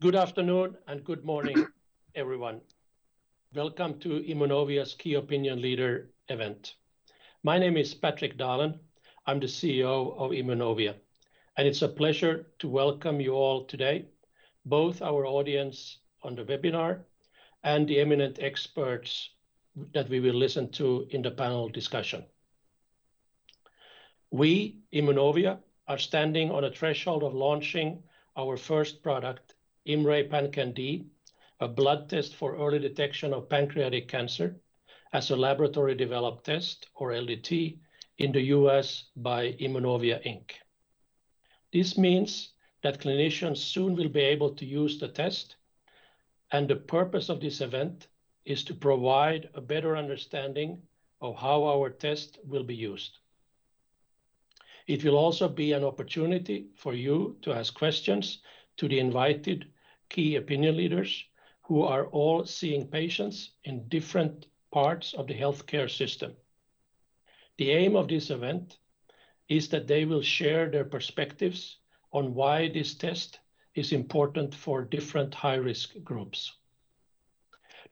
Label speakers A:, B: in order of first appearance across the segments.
A: Good afternoon and good morning, everyone. Welcome to Immunovia's Key Opinion Leader event. My name is Patrik Dahlen. I'm the CEO of Immunovia, and it's a pleasure to welcome you all today, both our audience on the webinar and the eminent experts that we will listen to in the panel discussion. We, Immunovia, are standing on the threshold of launching our first product, IMMray PanCan-d, a blood test for early detection of pancreatic cancer as a laboratory developed test, or LDT, in the U.S. by Immunovia Inc. This means that clinicians soon will be able to use the test, and the purpose of this event is to provide a better understanding of how our test will be used. It will also be an opportunity for you to ask questions to the invited key opinion leaders who are all seeing patients in different parts of the healthcare system. The aim of this event is that they will share their perspectives on why this test is important for different high-risk groups.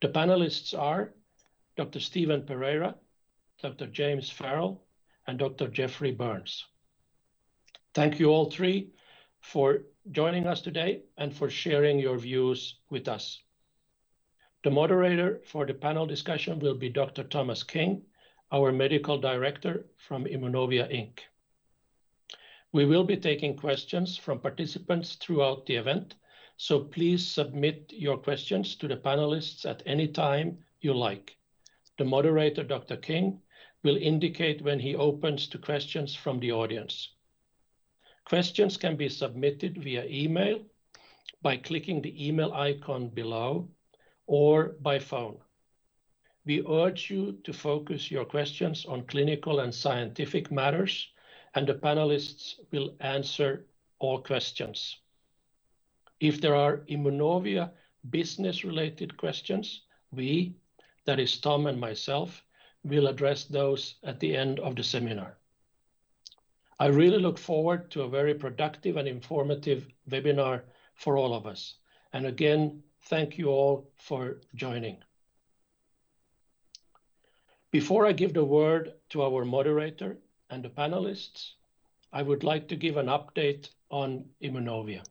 A: The panelists are Dr. Stephen Pereira, Dr. James Farrell, and Dr. Geoffrey Burns. Thank you all three for joining us today and for sharing your views with us. The moderator for the panel discussion will be Dr. Thomas King, our medical director from Immunovia Inc. We will be taking questions from participants throughout the event, so please submit your questions to the panelists at any time you like. The moderator, Dr. King, will indicate when he opens to questions from the audience. Questions can be submitted via email by clicking the email icon below or by phone. We urge you to focus your questions on clinical and scientific matters, and the panelists will answer all questions. If there are Immunovia business-related questions, we, that is Tom and myself, will address those at the end of the seminar. I really look forward to a very productive and informative webinar for all of us. Again, thank you all for joining. Before I give the word to our moderator and the panelists, I would like to give an update on Immunovia.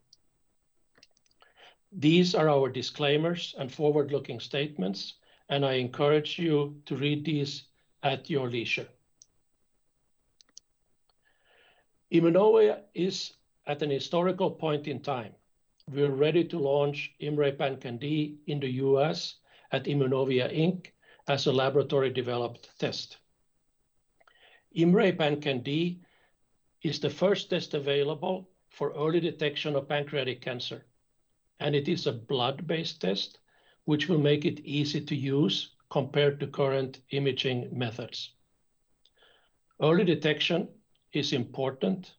A: These are our disclaimers and forward-looking statements, and I encourage you to read these at your leisure. Immunovia is at an historical point in time. We are ready to launch IMMray PanCan-d in the U.S. at Immunovia Inc. as a laboratory developed test. IMMray PanCan-d is the first test available for early detection of pancreatic cancer, and it is a blood-based test, which will make it easy to use compared to current imaging methods. Early detection is important,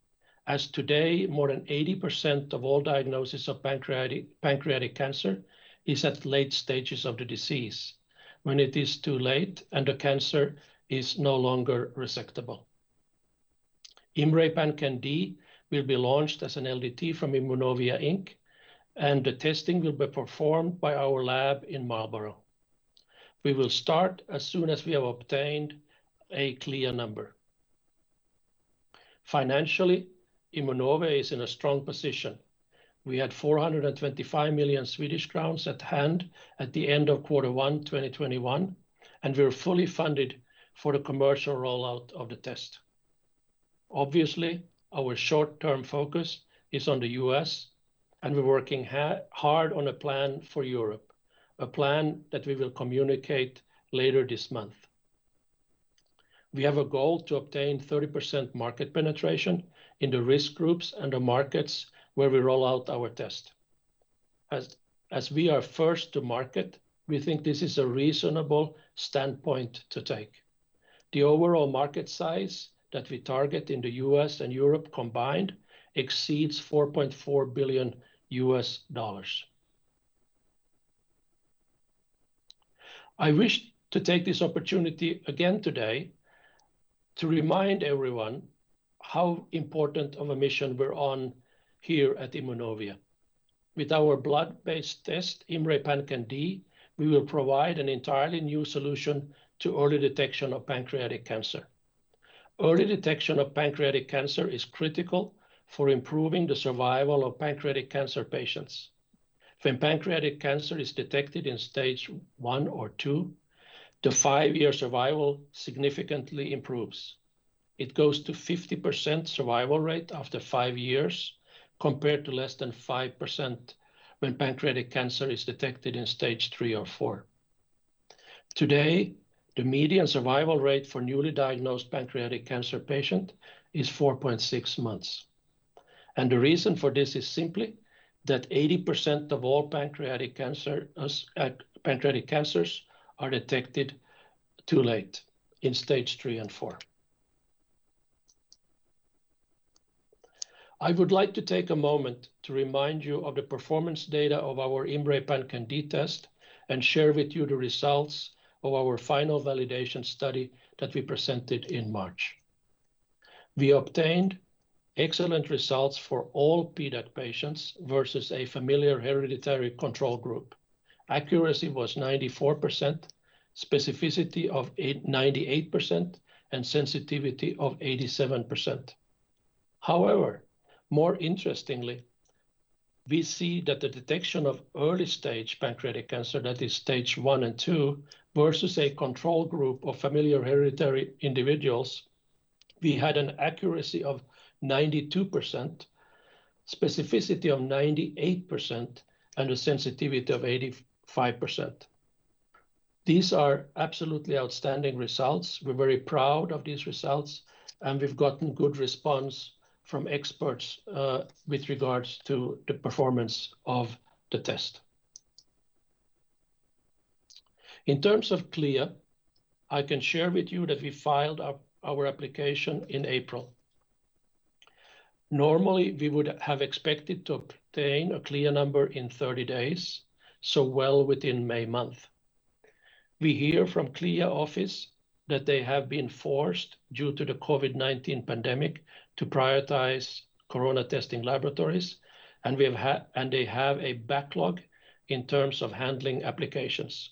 A: as today, more than 80% of all diagnoses of pancreatic cancer is at late stages of the disease, when it is too late and the cancer is no longer resectable. IMMray PanCan-d will be launched as an LDT from Immunovia Inc., and the testing will be performed by our lab in Marlborough. We will start as soon as we have obtained a CLIA number. Financially, Immunovia is in a strong position. We had 425 million Swedish crowns at hand at the end of quarter one 2021, and we are fully funded for the commercial rollout of the test. Obviously, our short-term focus is on the U.S., and we're working hard on a plan for Europe, a plan that we will communicate later this month. We have a goal to obtain 30% market penetration in the risk groups and the markets where we roll out our test. As we are first to market, we think this is a reasonable standpoint to take. The overall market size that we target in the U.S. and Europe combined exceeds $4.4 billion. I wish to take this opportunity again today to remind everyone how important of a mission we're on here at Immunovia. With our blood-based test, IMMray PanCan-d, we will provide an entirely new solution to early detection of pancreatic cancer. Early detection of pancreatic cancer is critical for improving the survival of pancreatic cancer patients. When pancreatic cancer is detected in stage one or tw, the five year survival significantly improves. It goes to 50% survival rate after five years, compared to less than 5% when pancreatic cancer is detected in stage three or four. Today, the median survival rate for newly diagnosed pancreatic cancer patient is 4.6 months, the reason for this is simply that 80% of all pancreatic cancers are detected too late, in stage three and four. I would like to take a moment to remind you of the performance data of our IMMray PanCan-d test and share with you the results of our final validation study that we presented in March. We obtained excellent results for all PDAC patients versus a familial hereditary control group. Accuracy was 94%, specificity of 98%, and sensitivity of 87%. More interestingly, we see that the detection of early-stage pancreatic cancer, that is stage one and two, versus a control group of familial hereditary individuals, we had an accuracy of 92%, specificity of 98%, and a sensitivity of 85%. These are absolutely outstanding results. We're very proud of these results, and we've gotten good response from experts with regards to the performance of the test. In terms of CLIA, I can share with you that we filed our application in April. Normally, we would have expected to obtain a CLIA number in 30 days, so well within May month. We hear from CLIA office that they have been forced, due to the COVID-19 pandemic, to prioritize COVID testing laboratories, and they have a backlog in terms of handling applications.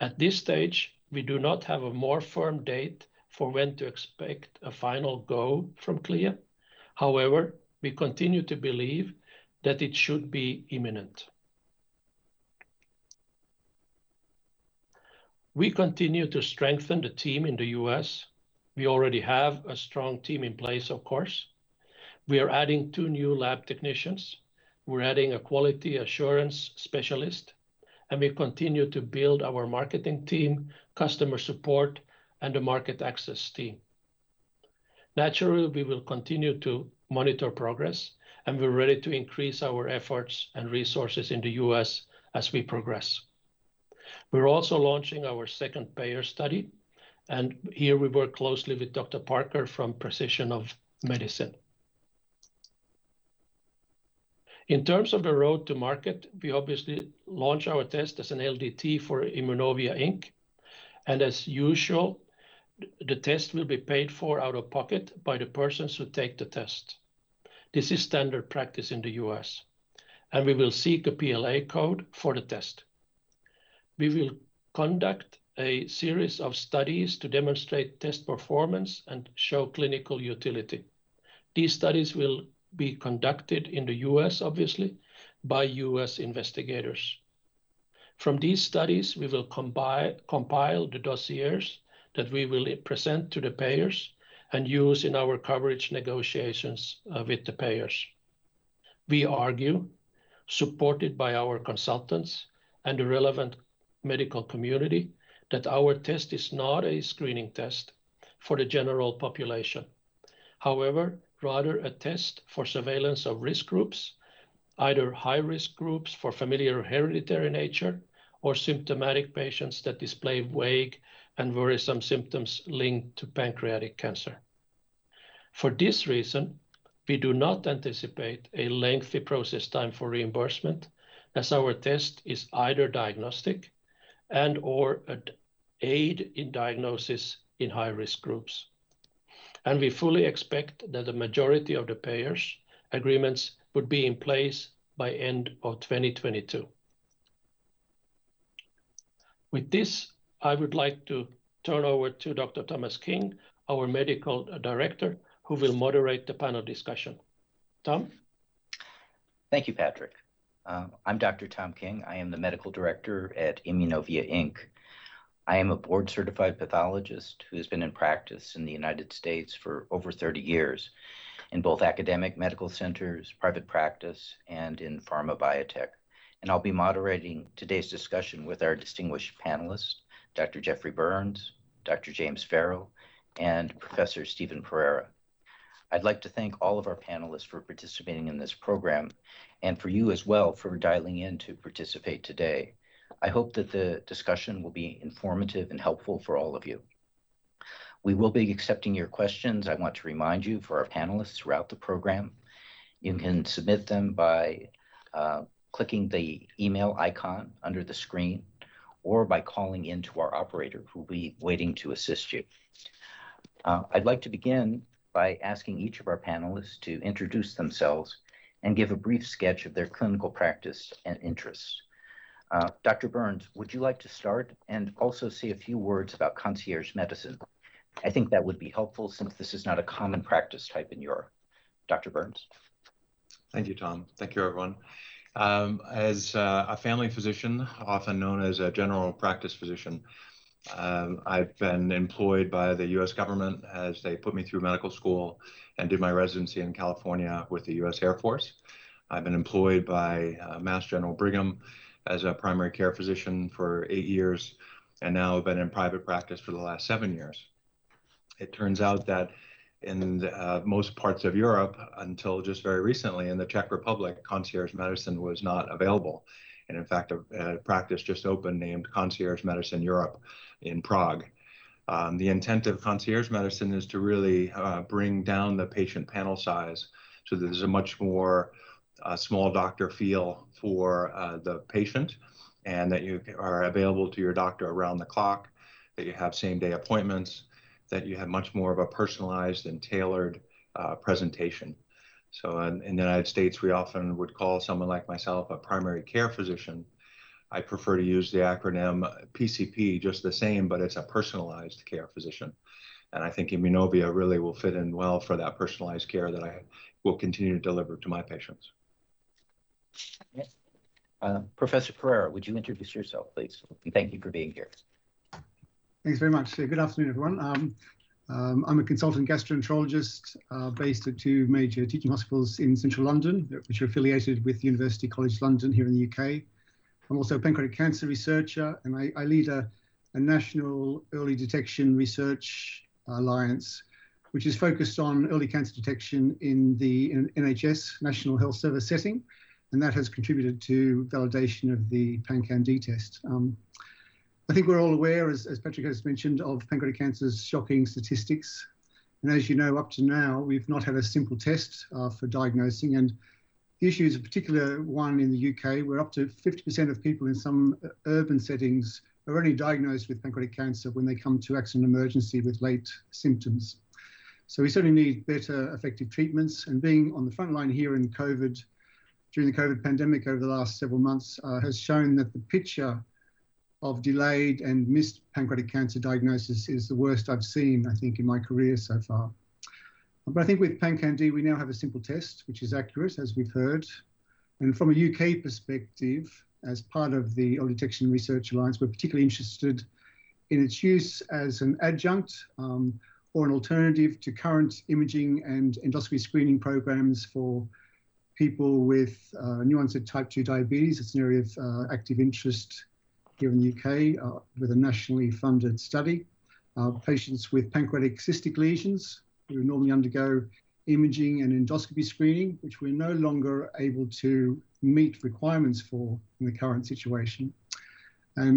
A: At this stage, we do not have a more firm date for when to expect a final go from CLIA. However, we continue to believe that it should be imminent. We continue to strengthen the team in the U.S. We already have a strong team in place, of course. We are adding two new lab technicians. We're adding a quality assurance specialist, and we continue to build our marketing team, customer support, and the market access team. Naturally, we will continue to monitor progress, and we're ready to increase our efforts and resources in the U.S. as we progress. We're also launching our second payer study, and here we work closely with Dr. Parker from Precision for Medicine. In terms of the road to market, we obviously launch our test as an LDT for Immunovia Inc. As usual, the test will be paid for out of pocket by the persons who take the test. This is standard practice in the U.S., and we will seek a PLA code for the test. We will conduct a series of studies to demonstrate test performance and show clinical utility. These studies will be conducted in the U.S., obviously, by U.S. investigators. From these studies, we will compile the dossiers that we will present to the payers and use in our coverage negotiations with the payers. We argue, supported by our consultants and the relevant medical community, that our test is not a screening test for the general population, however, rather a test for surveillance of risk groups, either high-risk groups for familial hereditary nature or symptomatic patients that display vague and worrisome symptoms linked to pancreatic cancer. For this reason, we do not anticipate a lengthy process time for reimbursement, as our test is either diagnostic and/or an aid in diagnosis in high-risk groups. We fully expect that the majority of the payers' agreements would be in place by end of 2022. With this, I would like to turn over to Dr. Thomas King, our Medical Director, who will moderate the panel discussion. Tom?
B: Thank you, Patrik. I'm Dr. Thomas King. I am the Medical Director at Immunovia Inc. I am a board-certified pathologist who's been in practice in the U.S. for over 30 years in both academic medical centers, private practice, and in pharma biotech. I'll be moderating today's discussion with our distinguished panelists, Dr. Jeffrey Burns, Dr. James Farrell, and Professor Stephen Pereira. I'd like to thank all of our panelists for participating in this program and for you as well for dialing in to participate today. I hope that the discussion will be informative and helpful for all of you. We will be accepting your questions, I want to remind you, for our panelists throughout the program. You can submit them by clicking the email icon under the screen or by calling in to our operator, who will be waiting to assist you. I'd like to begin by asking each of our panelists to introduce themselves and give a brief sketch of their clinical practice and interests. Dr. Burns, would you like to start and also say a few words about concierge medicine? I think that would be helpful since this is not a common practice type in Europe. Dr. Burns?
C: Thank you, Tom. Thank you, everyone. As a family physician, often known as a general practice physician, I've been employed by the U.S. government as they put me through medical school and did my residency in California with the U.S. Air Force. I've been employed by Mass General Brigham as a primary care physician for eight years, and now I've been in private practice for the last seven years. It turns out that in most parts of Europe, until just very recently in the Czech Republic, concierge medicine was not available. In fact, a practice just opened named Concierge Medicine Europe in Prague. The intent of concierge medicine is to really bring down the patient panel size so there's a much more small doctor feel for the patient, and that you are available to your doctor around the clock, that you have same-day appointments, that you have much more of a personalized and tailored presentation. In the U.S., we often would call someone like myself a primary care physician. I prefer to use the acronym PCP just the same, but it's a personalized care physician. I think Immunovia really will fit in well for that personalized care that I will continue to deliver to my patients. Yes. Professor Pereira, would you introduce yourself, please? Thank you for being here.
D: Thanks very much. Good afternoon, everyone. I'm a consultant gastroenterologist based at two major teaching hospitals in Central London, which are affiliated with University College London here in the U.K. I'm also a pancreatic cancer researcher. I lead a national early detection research alliance, which is focused on early cancer detection in the NHS, National Health Service, setting. That has contributed to validation of the IMMray PanCan-d test. I think we're all aware, as Patrik has mentioned, of pancreatic cancer's shocking statistics. As you know, up to now, we've not had a simple test for diagnosing. The issue is a particular one in the U.K., where up to 50% of people in some urban settings are only diagnosed with pancreatic cancer when they come to accident and emergency with late symptoms. We certainly need better effective treatments. Being on the frontline here during the COVID-19 pandemic over the last several months has shown that the picture of delayed and missed pancreatic cancer diagnosis is the worst I've seen, I think, in my career so far. I think with IMMray PanCan-d, we now have a simple test, which is accurate, as we've heard. From a U.K. perspective, as part of the Early Detection Research Alliance, we're particularly interested in its use as an adjunct or an alternative to current imaging and endoscopy screening programs for people with new-onset type two diabetes. It's an area of active interest here in the U.K. with a nationally funded study. Patients with pancreatic cystic lesions who normally undergo imaging and endoscopy screening, which we're no longer able to meet requirements for in the current situation.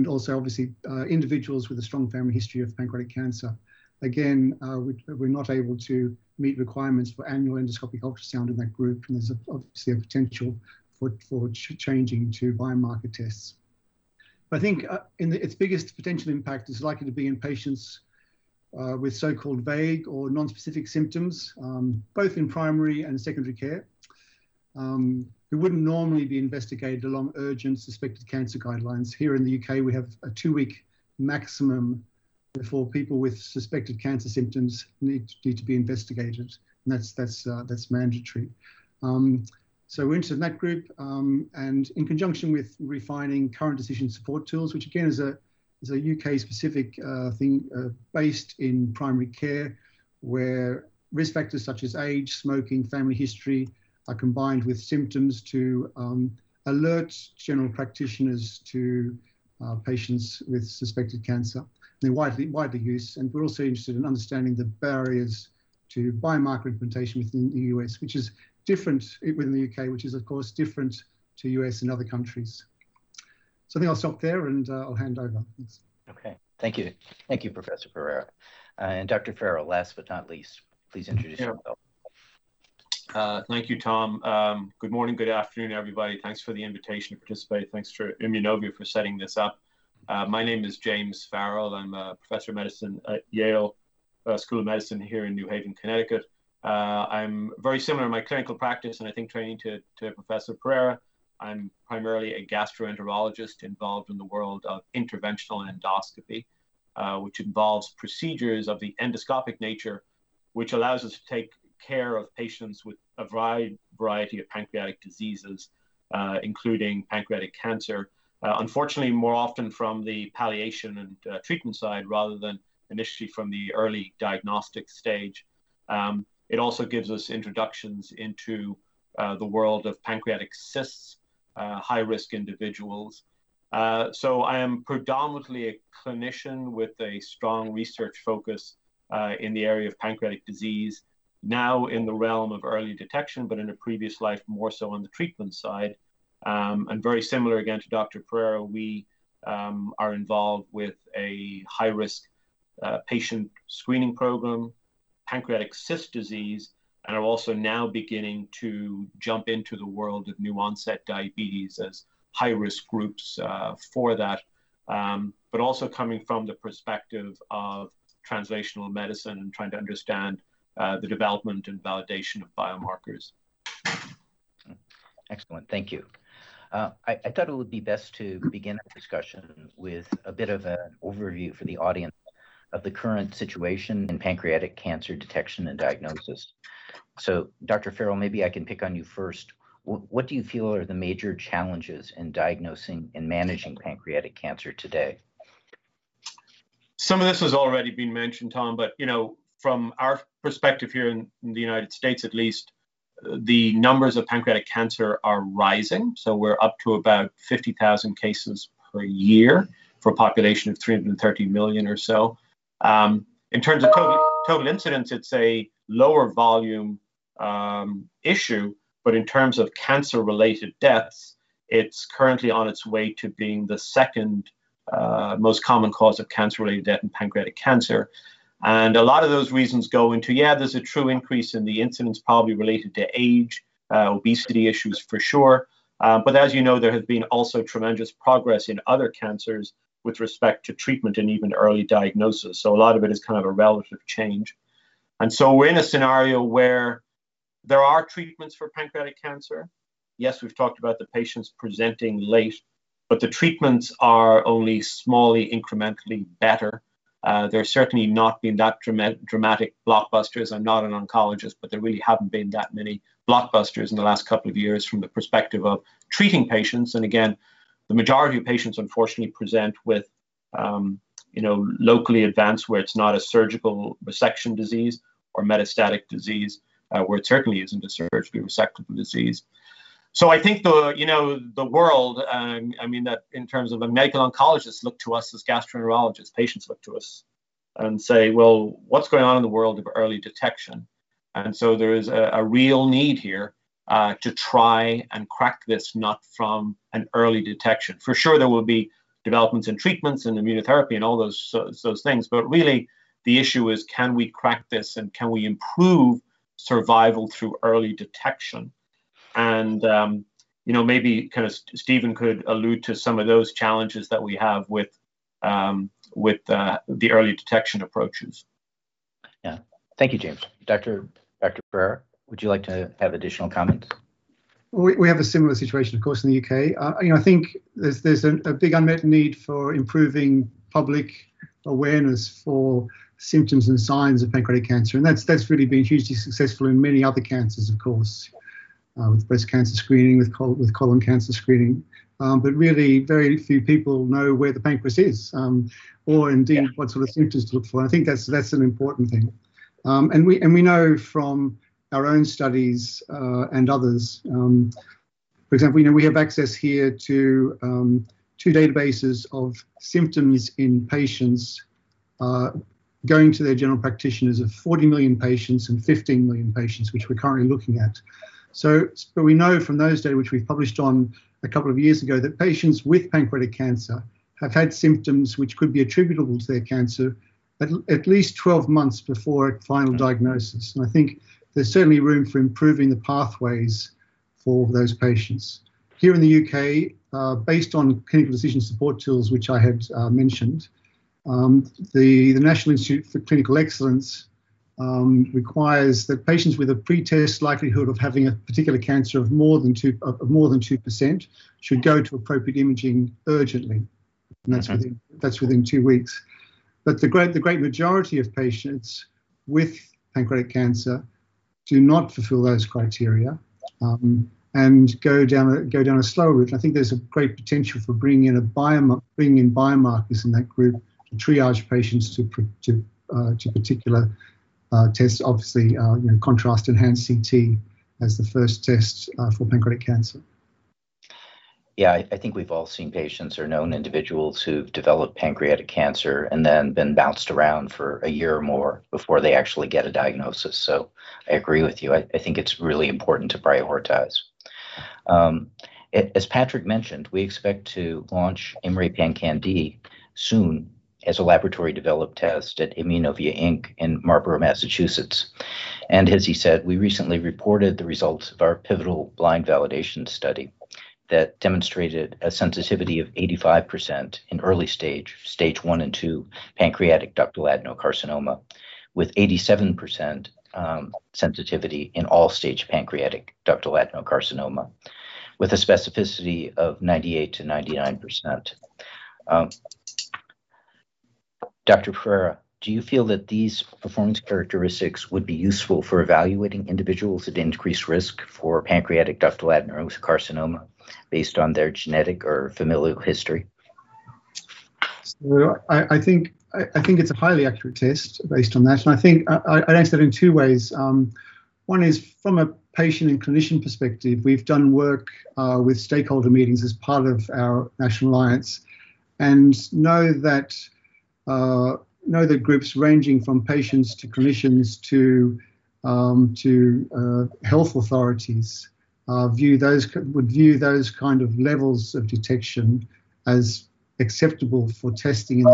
D: Also, obviously, individuals with a strong family history of pancreatic cancer. Again, we're not able to meet requirements for annual endoscopic ultrasound in that group, and there's obviously a potential for changing to biomarker tests. I think its biggest potential impact is likely to be in patients with so-called vague or non-specific symptoms, both in primary and secondary care, who wouldn't normally be investigated along urgent suspected cancer guidelines. Here in the U.K., we have a two week maximum before people with suspected cancer symptoms need to be investigated, and that's mandatory. We're interested in that group, and in conjunction with refining current decision support tools, which again is a U.K.-specific thing based in primary care, where risk factors such as age, smoking, family history, are combined with symptoms to alert general practitioners to patients with suspected cancer. In wider use, and we're also interested in understanding the barriers to biomarker implementation within the U.S., which is different, even in the U.K., which is, of course, different to the U.S. and other countries. I think I'll stop there, and I'll hand over. Thanks.
B: Okay. Thank you. Thank you, Professor Pereira. Dr. Farrell, last but not least, please introduce yourself.
E: Thank you, Tom. Good morning, good afternoon, everybody. Thanks for the invitation to participate. Thanks to Immunovia for setting this up. My name is James Farrell. I'm a professor of medicine at Yale School of Medicine here in New Haven, Connecticut. I'm very similar in my clinical practice, and I think training to Professor Pereira. I'm primarily a gastroenterologist involved in the world of interventional endoscopy, which involves procedures of the endoscopic nature, which allows us to take care of patients with a wide variety of pancreatic diseases, including pancreatic cancer. Unfortunately, more often from the palliation and treatment side rather than initially from the early diagnostic stage. It also gives us introductions into the world of pancreatic cysts, high-risk individuals. I am predominantly a clinician with a strong research focus in the area of pancreatic disease, now in the realm of early detection, but in a previous life, more so on the treatment side. Very similar, again, to Dr. Pereira, we are involved with a high-risk patient screening program, pancreatic cyst disease, and are also now beginning to jump into the world of new onset diabetes as high-risk groups for that. Also coming from the perspective of translational medicine and trying to understand the development and validation of biomarkers.
B: Excellent. Thank you. I thought it would be best to begin our discussion with a bit of an overview for the audience of the current situation in pancreatic cancer detection and diagnosis. Dr. Farrell, maybe I can pick on you first. What do you feel are the major challenges in diagnosing and managing pancreatic cancer today?
E: Some of this has already been mentioned, Tom. From our perspective here in the U.S., at least. The numbers of pancreatic cancer are rising, so we're up to about 50,000 cases per year for a population of 330 million or so. In terms of COVID incidence, it's a lower volume issue. In terms of cancer-related deaths, it's currently on its way to being the second most common cause of cancer-related death in pancreatic cancer. A lot of those reasons go into. Yeah, there's a true increase in the incidence, probably related to age, obesity issues for sure. As you know, there has been also tremendous progress in other cancers with respect to treatment and even early diagnosis. A lot of it is kind of a relative change. We're in a scenario where there are treatments for pancreatic cancer. Yes, we've talked about the patients presenting late, but the treatments are only slightly incrementally better. They're certainly not being that dramatic blockbusters. I'm not an oncologist, there really haven't been that many blockbusters in the last couple of years from the perspective of treating patients. Again, the majority of patients, unfortunately, present with locally advanced, where it's not a surgical resection disease or metastatic disease, where it certainly isn't a surgically resectable disease. I think the world, in terms of the medical oncologist look to us as gastroenterologists, patients look to us and say, "Well, what's going on in the world of early detection?" There is a real need here to try and crack this nut from an early detection. For sure, there will be developments in treatments and immunotherapy and all those things. Really, the issue is can we crack this and can we improve survival through early detection? Maybe Stephen could allude to some of those challenges that we have with the early detection approaches.
B: Yeah. Thank you, James. Dr. Pereira, would you like to have additional comment?
D: We have a similar situation, of course, in the U.K. I think there's a big unmet need for improving public awareness for symptoms and signs of pancreatic cancer. That's really been hugely successful in many other cancers, of course, with breast cancer screening, with colon cancer screening. Really, very few people know where the pancreas is or indeed what sort of symptoms to look for. I think that's an important thing. We know from our own studies, and others, for example, we have access here to two databases of symptoms in patients going to their general practitioners of 40 million patients and 15 million patients, which we're currently looking at. We know from those data, which we published on a couple of years ago, that patients with pancreatic cancer have had symptoms which could be attributable to their cancer at least 12 months before a final diagnosis, and I think there's certainly room for improving the pathways for those patients. Here in the U.K., based on clinical decision support tools, which I have mentioned, the National Institute for Health and Care Excellence requires that patients with a pre-test likelihood of having a particular cancer of more than 2% should go to appropriate imaging urgently, and that's within two weeks. The great majority of patients with pancreatic cancer do not fulfill those criteria and go down a slow route. I think there's a great potential for bringing in biomarkers in that group to triage patients to particular tests. Obviously, contrast enhanced CT as the first test for pancreatic cancer.
B: Yeah. I think we've all seen patients or known individuals who've developed pancreatic cancer and then been bounced around for one year or more before they actually get a diagnosis. So I agree with you. I think it's really important to prioritize. As Patrik mentioned, we expect to launch IMMray PanCan-d soon as a laboratory-developed test at Immunovia Inc. in Marlborough, Massachusetts. And as he said, we recently reported the results of our pivotal blind validation study that demonstrated a sensitivity of 85% in early stage, Stage one and two pancreatic ductal adenocarcinoma, with 87% sensitivity in all stage pancreatic ductal adenocarcinoma, with a specificity of 98%-99%. Dr. Pereira, do you feel that these performance characteristics would be useful for evaluating individuals at increased risk for Pancreatic Ductal Adenocarcinoma based on their genetic or familial history?
D: Well, I think it's a highly accurate test based on that, and I think I'd answer it in two ways. One is from a patient and clinician perspective, we've done work with stakeholder meetings as part of our National Alliance and know that groups ranging from patients to clinicians to health authorities would view those kind of levels of detection as acceptable for testing in the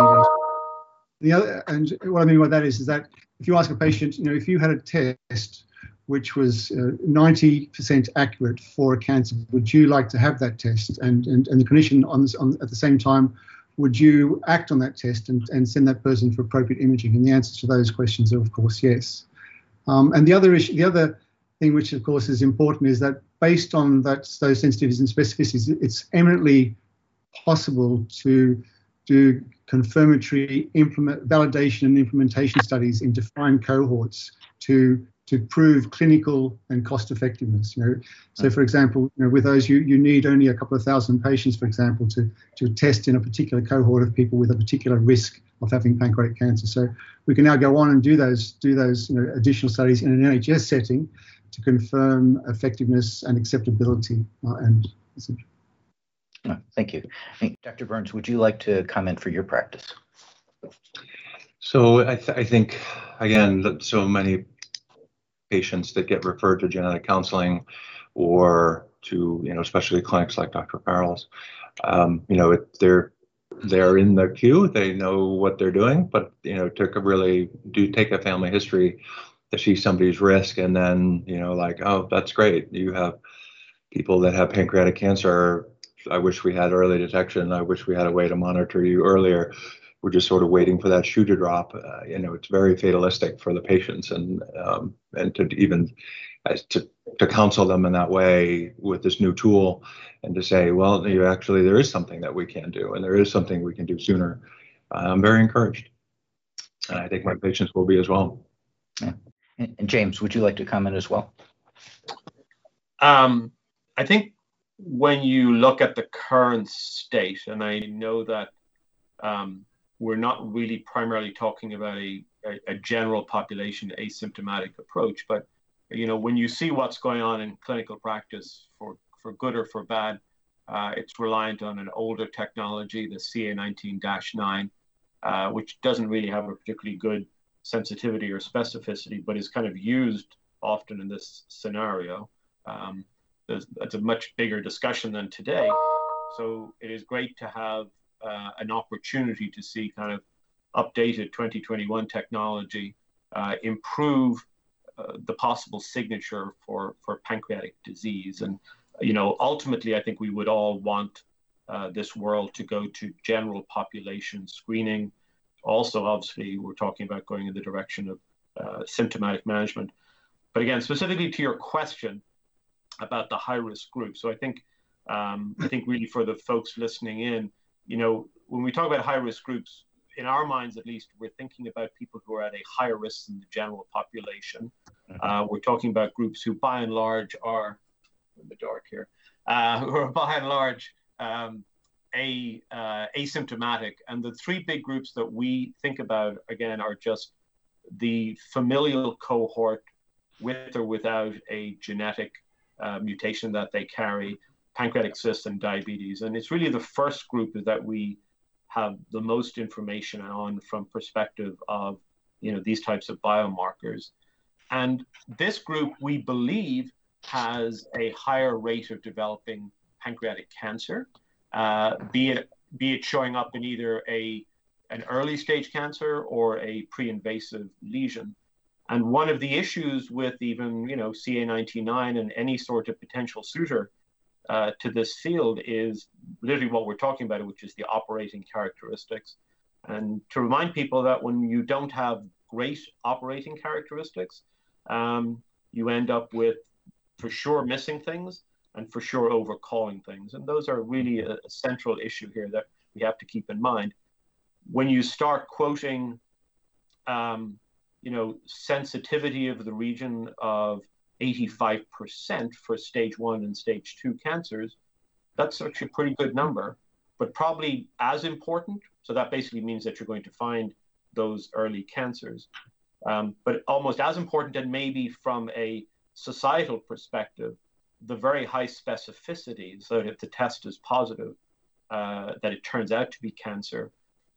D: NHS. What I mean by that is that if you ask a patient, "If you had a test which was 90% accurate for a cancer, would you like to have that test?" The clinician at the same time, "Would you act on that test and send that person for appropriate imaging?" The answer to those questions are, of course, yes. The other thing which, of course, is important is that based on those sensitivities and specificities, it's eminently possible to do confirmatory validation and implementation studies in defined cohorts to prove clinical and cost-effectiveness. For example, with those, you need only 2,000 patients, for example, to test in a particular cohort of people with a particular risk of having pancreatic cancer. We can now go on and do those additional studies in an NHS setting to confirm effectiveness and acceptability.
B: Thank you. Dr. Burns, would you like to comment for your practice?
C: I think, again, so many patients that get referred to genetic counseling or to especially clinics like Dr. Farrell's, they're in their queue, they know what they're doing. To really do take a family history, to see somebody's risk and then, oh, that's great. You have people that have pancreatic cancer. I wish we had early detection. I wish we had a way to monitor you earlier. We're just sort of waiting for that shoe to drop. It's very fatalistic for the patients and even to counsel them in that way with this new tool and to say, well, actually, there is something that we can do, and there is something we can do sooner. I'm very encouraged, and I think my patients will be as well.
B: James, would you like to comment as well?
E: I think when you look at the current state, and I know that we're not really primarily talking about a general population asymptomatic approach, but when you see what's going on in clinical practice, for good or for bad, it's reliant on an older technology, the CA 19-9, which doesn't really have a particularly good sensitivity or specificity but is kind of used often in this scenario. That's a much bigger discussion than today. It is great to have an opportunity to see kind of updated 2021 technology improve the possible signature for pancreatic disease. Ultimately, I think we would all want this world to go to general population screening. Also, obviously, we're talking about going in the direction of symptomatic management. Again, specifically to your question about the high-risk groups, I think really for the folks listening in, when we talk about high-risk groups, in our minds at least, we're thinking about people who are at a higher risk than the general population. We're talking about groups who are, by and large, asymptomatic. The three big groups that we think about, again, are just the familial cohort with or without a genetic mutation that they carry, pancreatic cyst, and diabetes. It's really the first group that we have the most information on from perspective of these types of biomarkers. This group, we believe, has a higher rate of developing pancreatic cancer, be it showing up in either an early-stage cancer or a Pre-Invasive Lesion. One of the issues with even CA 19-9 and any sort of potential suitor to this field is literally what we're talking about, which is the operating characteristics. To remind people that when you don't have great operating characteristics, you end up with for sure missing things and for sure over-calling things. Those are really a central issue here that we have to keep in mind. When you start quoting sensitivity of the region of 85% for stage one and stage two cancers, that's actually a pretty good number, but probably as important, so that basically means that you're going to find those early cancers. Almost as important then maybe from a societal perspective, the very high specificity, so that if the test is positive, that it turns out to be cancer,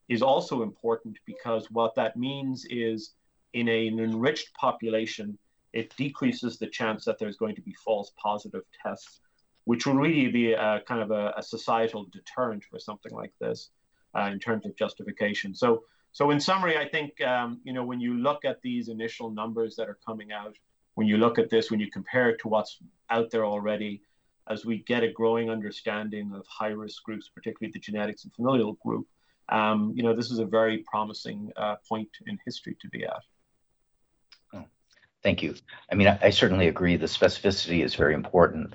E: is also important because what that means is in an enriched population, it decreases the chance that there's going to be false positive tests, which will really be a kind of a societal deterrent for something like this in terms of justification. In summary, I think when you look at these initial numbers that are coming out, when you look at this, when you compare it to what's out there already, as we get a growing understanding of high-risk groups, particularly the genetics and familial group, this is a very promising point in history to be at.
B: Thank you. I certainly agree that specificity is very important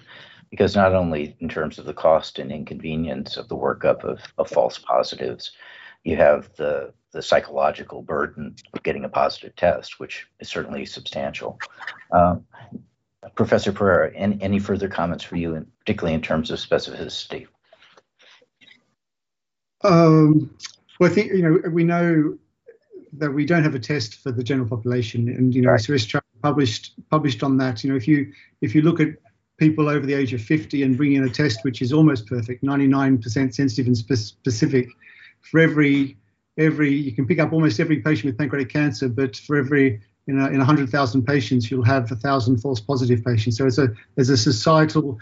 B: because not only in terms of the cost and inconvenience of the workup of false positives, you have the psychological burden of getting a positive test, which is certainly substantial. Professor Pereira, any further comments for you, particularly in terms of specificity?
D: We know that we don't have a test for the general population.
B: Right
D: Swiss trial published on that. If you look at people over the age of 50 and bring in a test which is almost perfect, 99% sensitive and specific, you can pick up almost every patient with pancreatic cancer, but in 100,000 patients, you'll have 1,000 false positive patients. There's a societal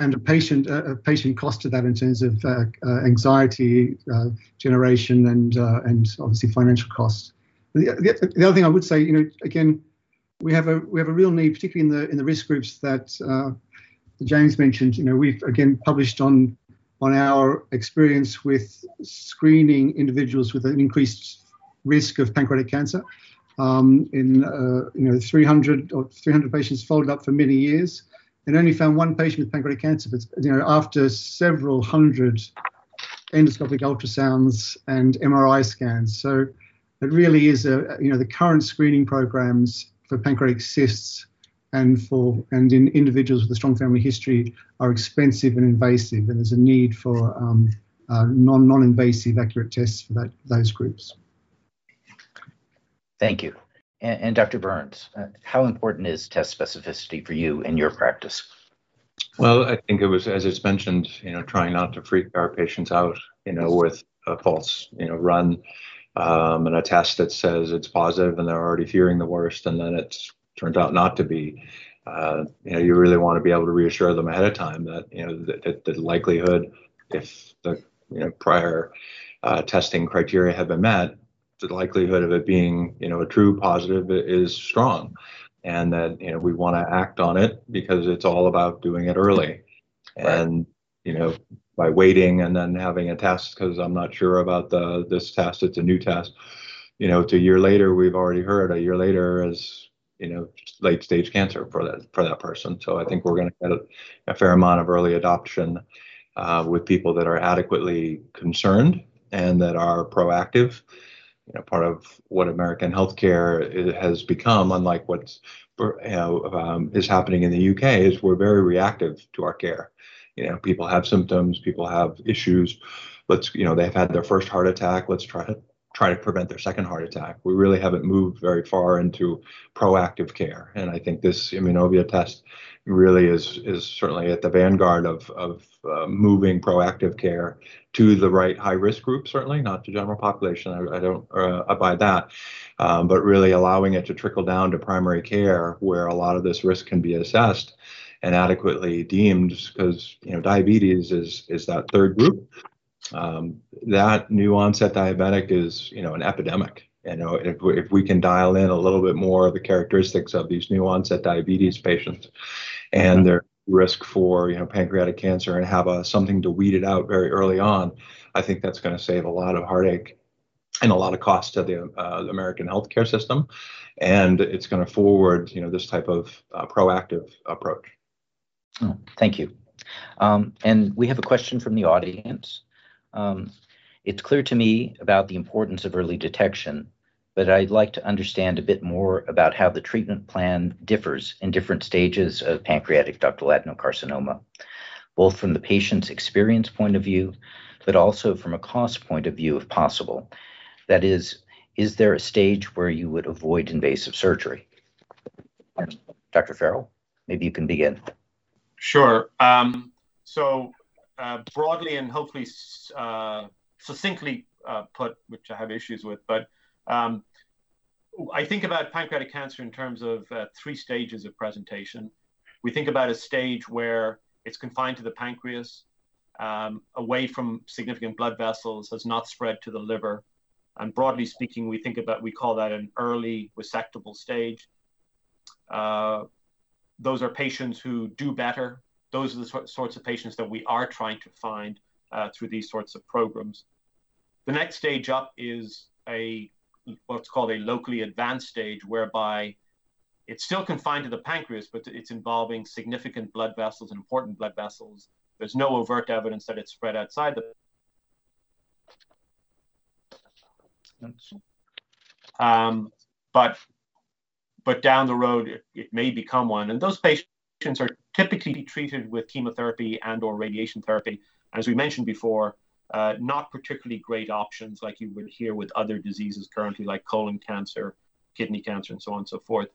D: and a patient cost to that in terms of anxiety generation and obviously financial costs. The other thing I would say, again, we have a real need, particularly in the risk groups that James mentioned. We've, again, published on our experience with screening individuals with an increased risk of pancreatic cancer in 300 patients followed up for many years and only found one patient with pancreatic cancer after several hundred endoscopic ultrasounds and MRI scans. It really is the current screening programs for pancreatic cysts and in individuals with a strong family history are expensive and invasive, and there is a need for non-invasive, accurate tests for those groups.
B: Thank you. Dr. Burns, how important is test specificity for you in your practice?
C: Well, I think it was, as it's mentioned, trying not to freak our patients out with a false run and a test that says it's positive and they're already hearing the worst, and then it's turned out not to be. You really want to be able to reassure them ahead of time that the likelihood, if the prior testing criteria have been met, the likelihood of it being a true positive is strong and that we want to act on it because it's all about doing it early. By waiting and then having a test, because I'm not sure about this test, it's a new test, it's a year later, we've already heard a year later is late-stage cancer for that person. I think we're going to get a fair amount of early adoption with people that are adequately concerned and that are proactive. Part of what American healthcare has become, unlike what is happening in the U.K., is we're very reactive to our care. People have symptoms. People have issues. They've had their first heart attack. Let's try to prevent their second heart attack. We really haven't moved very far into proactive care, and I think this Immunovia test really is certainly at the vanguard of moving proactive care to the right high-risk group, certainly not the general population, I don't abide that. Really allowing it to trickle down to primary care where a lot of this risk can be assessed and adequately deemed because diabetes is that third group. That new onset diabetic is an epidemic, and if we can dial in a little bit more of the characteristics of these new onset diabetes patients and their risk for pancreatic cancer and have something to weed it out very early on, I think that's going to save a lot of heartache and a lot of cost to the American healthcare system, and it's going to forward this type of proactive approach.
B: Thank you. We have a question from the audience. It's clear to me about the importance of early detection, but I'd like to understand a bit more about how the treatment plan differs in different stages of pancreatic adenocarcinoma, both from the patient's experience point of view, but also from a cost point of view, if possible. That is there a stage where you would avoid invasive surgery? Dr. Farrell, maybe you can begin.
E: Sure. Broadly and hopefully succinctly put, which I have issues with, but I think about pancreatic cancer in terms of three stages of presentation. We think about a stage where it's confined to the pancreas, away from significant blood vessels, has not spread to the liver. Broadly speaking, we call that an early resectable stage. Those are patients who do better. Those are the sorts of patients that we are trying to find through these sorts of programs. The next stage up is what's called a locally advanced stage, whereby it's still confined to the pancreas, but it's involving significant blood vessels, important blood vessels. There's no overt evidence that it's spread outside the pancreas. Down the road, it may become one, and those patients are typically treated with chemotherapy and/or radiation therapy. As we mentioned before, not particularly great options like you would hear with other diseases currently like colon cancer, kidney cancer, and so on, so forth.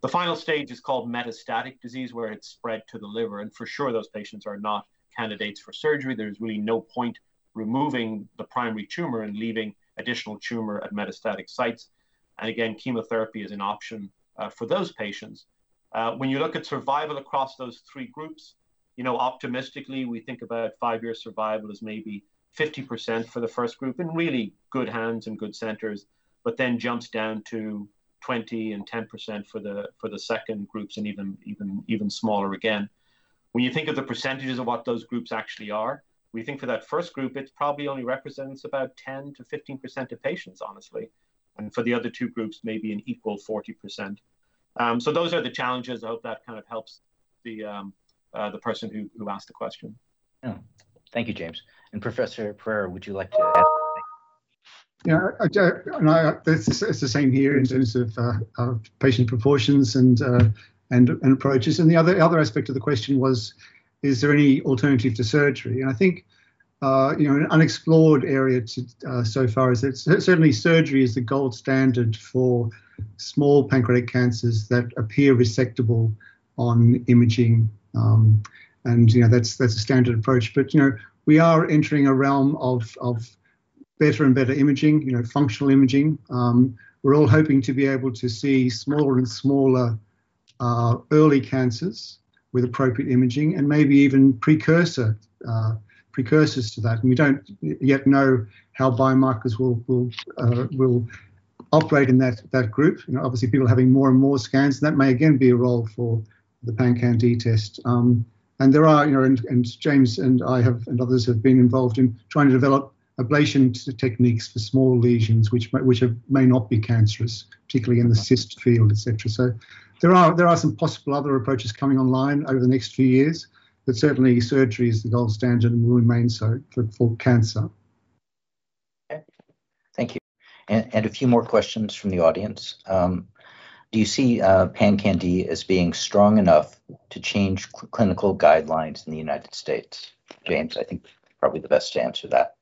E: The final stage is called metastatic disease, where it's spread to the liver, and for sure those patients are not candidates for surgery. There's really no point removing the primary tumor and leaving additional tumor at metastatic sites. Again, chemotherapy is an option for those patients. When you look at survival across those three groups, optimistically, we think about 5-year survival as maybe 50% for the 1st group in really good hands and good centers, but then jumps down to 20% and 10% for the 2nd groups and even smaller again. When you think of the percentages of what those groups actually are, we think for that first group, it probably only represents about 10%-15% of patients, honestly, and for the other two groups, maybe an equal 40%. Those are the challenges. I hope that kind of helps the person who asked the question.
B: Thank you, James. Professor Pereira, would you like to add anything?
D: It's the same here in terms of patient proportions and approaches. The other aspect of the question was, is there any alternative to surgery? I think an unexplored area so far is certainly surgery is the gold standard for small pancreatic cancers that appear resectable on imaging, and that's a standard approach. We are entering a realm of better and better imaging, functional imaging. We're all hoping to be able to see smaller and smaller early cancers with appropriate imaging and maybe even precursors to that. We don't yet know how biomarkers will operate in that group. Obviously, people are having more and more scans. That may again be a role for the PanCan-d test. James and I and others have been involved in trying to develop ablation techniques for small lesions, which may not be cancerous, particularly in the cyst field, et cetera. There are some possible other approaches coming online over the next few years, but certainly surgery is the gold standard and will remain so for cancer.
B: Okay. Thank you. A few more questions from the audience. Do you see IMMray PanCan-d as being strong enough to change clinical guidelines in the United States? James, I think probably the best to answer that.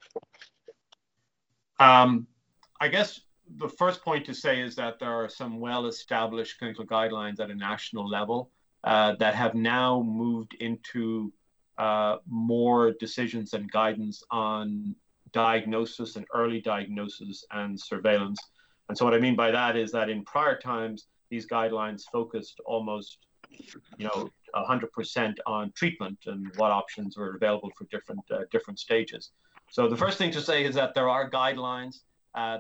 E: I guess the first point to say is that there are some well-established clinical guidelines at a national level that have now moved into more decisions and guidance on diagnosis and early diagnosis and surveillance. What I mean by that is that in prior times, these guidelines focused almost 100% on treatment and what options are available for different stages. The first thing to say is that there are guidelines,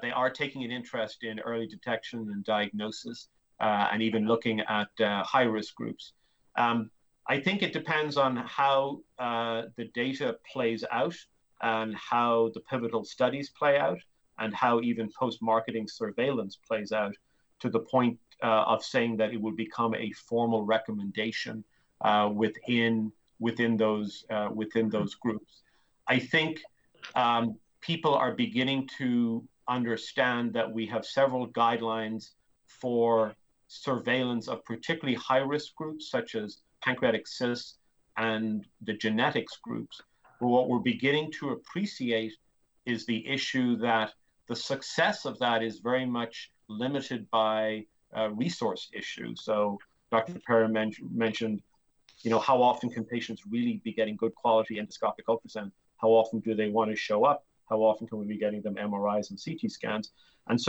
E: they are taking an interest in early detection and diagnosis, and even looking at high-risk groups. I think it depends on how the data plays out and how the pivotal studies play out, and how even post-marketing surveillance plays out to the point of saying that it would become a formal recommendation within those groups. I think people are beginning to understand that we have several guidelines for surveillance of particularly high-risk groups, such as pancreatic cyst and the genetics groups. What we're beginning to appreciate is the issue that the success of that is very much limited by resource issues. Dr. Pereira mentioned how often can patients really be getting good quality endoscopic ultrasound? How often do they want to show up? How often can we be getting them MRIs and CT scans?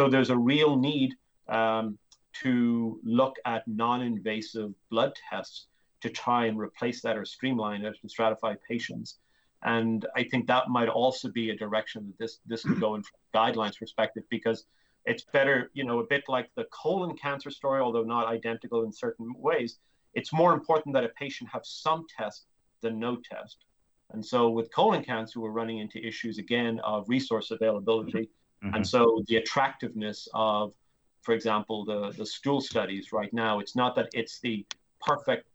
E: There's a real need to look at non-invasive blood tests to try and replace that or streamline it and stratify patients. I think that might also be a direction that this could go in from guidelines perspective, because it's better, a bit like the colon cancer story, although not identical in certain ways, it's more important that a patient have some test than no test. With colon cancer, we're running into issues, again, of resource availability. The attractiveness of, for example, the stool studies right now, it's not that it's the perfect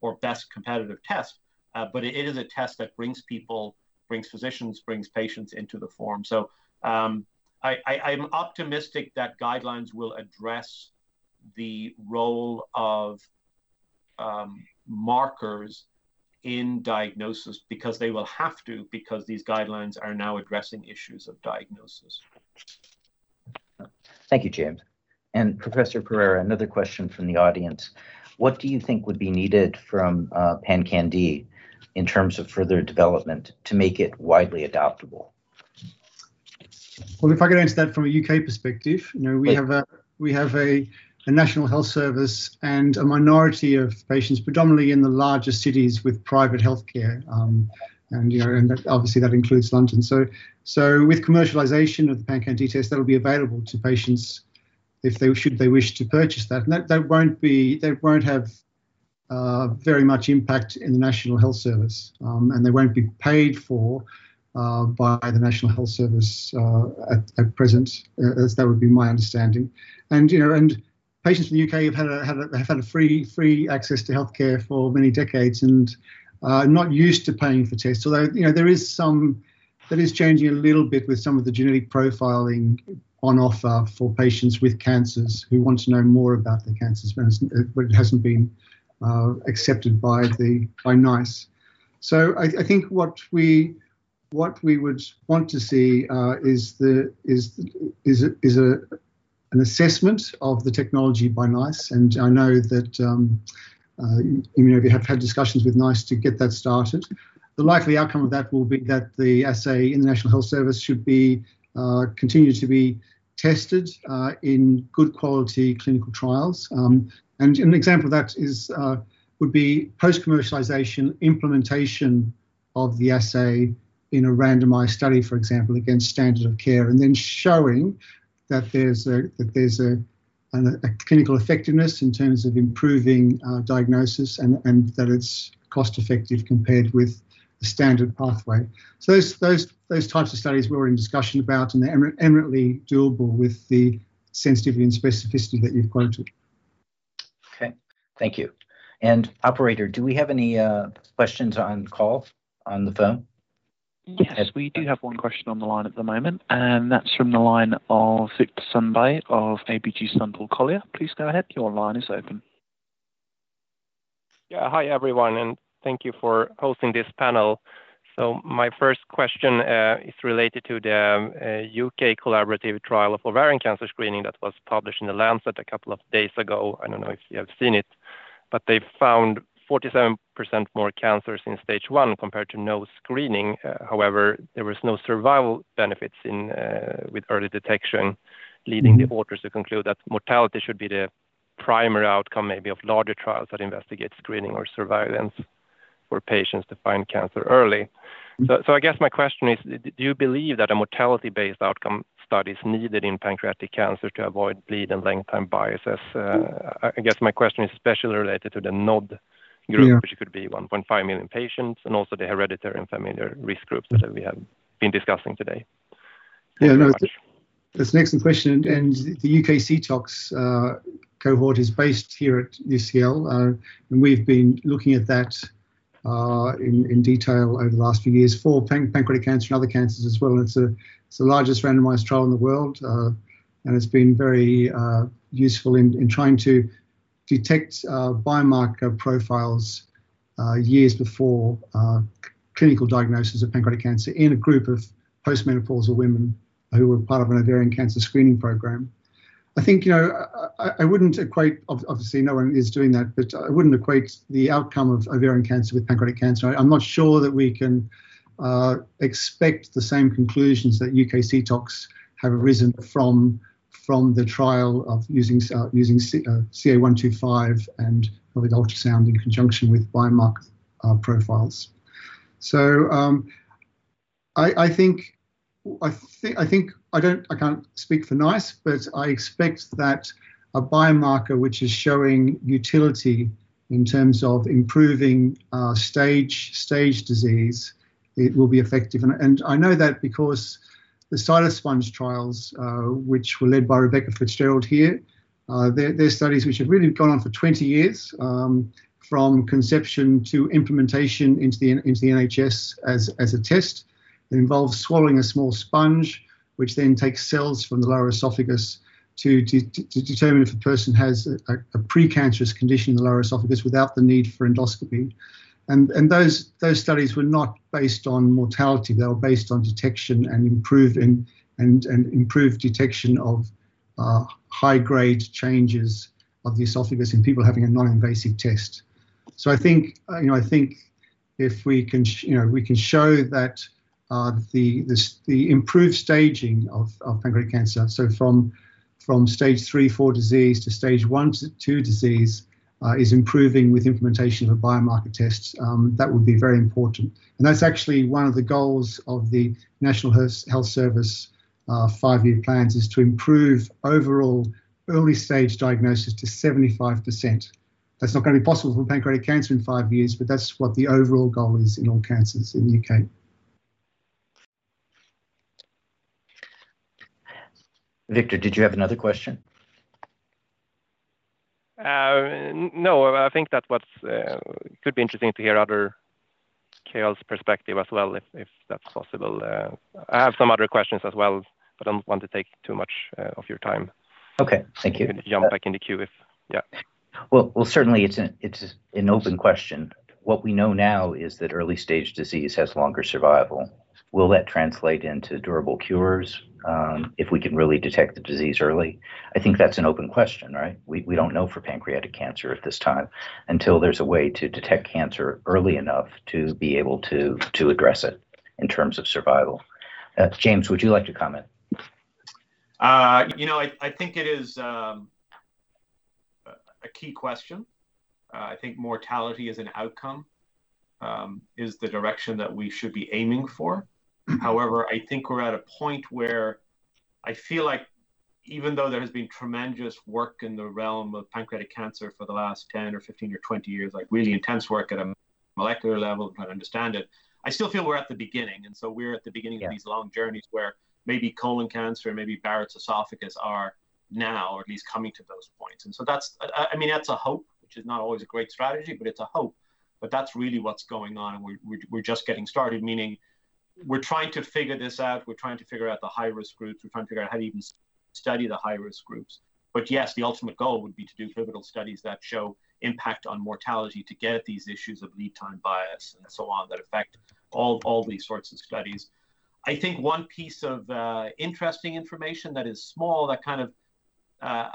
E: or best competitive test, but it is a test that brings people, brings physicians, brings patients into the forum. I'm optimistic that guidelines will address the role of markers in diagnosis, because they will have to, because these guidelines are now addressing issues of diagnosis.
B: Thank you, James. Professor Pereira, another question from the audience. What do you think would be needed from PanCan-d in terms of further development to make it widely adaptable?
D: Well, if I go into that from a U.K. perspective, we have a National Health Service and a minority of patients, predominantly in the larger cities with private healthcare, and obviously that includes London. With commercialization of the PanCAN test, that'll be available to patients should they wish to purchase that. That won't have very much impact in the National Health Service, and they won't be paid for by the National Health Service at present, as that would be my understanding. Patients in the U.K. have had free access to healthcare for many decades and are not used to paying for tests, although that is changing a little bit with some of the genetic profiling on offer for patients with cancers who want to know more about their cancers, but it hasn't been accepted by NICE. I think what we would want to see is an assessment of the technology by NICE, and I know that we have had discussions with NICE to get that started. The likely outcome of that will be that the assay in the National Health Service should continue to be tested in good quality clinical trials. An example of that would be post-commercialization implementation of the assay in a randomized study, for example, against standard of care, and then showing that there's a clinical effectiveness in terms of improving diagnosis and that it's cost-effective compared with the standard pathway. Those types of studies we're in discussion about and eminently doable with the sensitivity and specificity that you've quoted.
B: Okay. Thank you. Operator, do we have any questions on the call, on the phone?
F: Yes, we do have one question on the line at the moment, and that's from the line of Viktor Sundberg of ABG Sundal Collier. Please go ahead. Your line is open.
G: Yeah. Hi, everyone, and thank you for hosting this panel. My first question is related to the UK Collaborative Trial of Ovarian Cancer Screening that was published in The Lancet a couple of days ago. I don't know if you have seen it, but they found 47% more cancers in stage one compared to no screening. However, there was no survival benefits with early detection, leading the authors to conclude that mortality should be the primary outcome maybe of larger trials that investigate screening or surveillance for patients to find cancer early. I guess my question is, do you believe that a mortality-based outcome study is needed in pancreatic cancer to avoid lead-in length time biases? I guess my question is especially related to the NOD group.
D: Yeah
G: which could be 1.5 million patients, and also the hereditary and familial risk groups that we have been discussing today.
D: That's an excellent question. The UKCTOCS cohort is based here at UCL, and we've been looking at that in detail over the last few years for pancreatic cancer and other cancers as well. It's the largest randomized trial in the world. It's been very useful in trying to detect biomarker profiles years before clinical diagnosis of pancreatic cancer in a group of post-menopausal women who were part of an ovarian cancer screening program. Obviously, no one is doing that. I wouldn't equate the outcome of ovarian cancer with pancreatic cancer. I'm not sure that we can expect the same conclusions that UKCTOCS have arisen from the trial of using CA125 and with ultrasound in conjunction with biomarker profiles. I can't speak for NICE. I expect that a biomarker which is showing utility in terms of improving stage disease, it will be effective. I know that because the Cytosponge trials, which were led by Rebecca Fitzgerald here, they're studies which have really gone on for 20 years, from conception to implementation into the NHS as a test. It involves swallowing a small sponge, which then takes cells from the lower oesophagus to determine if a person has a precancerous condition of the lower oesophagus without the need for endoscopy. Those studies were not based on mortality. They were based on detection and improved detection of high-grade changes of the oesophagus in people having a non-invasive test. I think if we can show that the improved staging of pancreatic cancer, from stage three, four disease to stage one to two disease, is improving with implementation of a biomarker test, that would be very important. That's actually one of the goals of the National Health Service five year plans, is to improve overall early-stage diagnosis to 75%. That's not going to be possible for pancreatic cancer in five years, but that's what the overall goal is in all cancers in the U.K.
B: Viktor, did you have another question?
G: No, I think that could be interesting to hear other KOLs' perspective as well, if that's possible. I have some other questions as well, but I don't want to take too much of your time.
B: Okay.
G: Thank you. Jump back in the queue.
B: Well, certainly, it's an open question. What we know now is that early-stage disease has longer survival. Will that translate into durable cures if we can really detect the disease early? I think that's an open question, right? We don't know for pancreatic cancer at this time until there's a way to detect cancer early enough to be able to address it in terms of survival. James, would you like to comment?
E: I think it is a key question. I think mortality as an outcome is the direction that we should be aiming for. I think we're at a point where I feel like even though there's been tremendous work in the realm of pancreatic cancer for the last 10 or 15 or 20 years, really intense work at a molecular level to understand it, I still feel we're at the beginning. We're at the beginning of these long journeys where maybe colon cancer, maybe Barrett's esophagus are now at least coming to those points. I mean, that's a hope, which is not always a great strategy, but it's a hope. That's really what's going on. We're just getting started, meaning we're trying to figure this out. We're trying to figure out the high-risk groups. We're trying to figure out how to even study the high-risk groups. Yes, the ultimate goal would be to do pivotal studies that show impact on mortality to get at these issues of lead time bias and so on that affect all these sorts of studies. I think one piece of interesting information that is small that kind of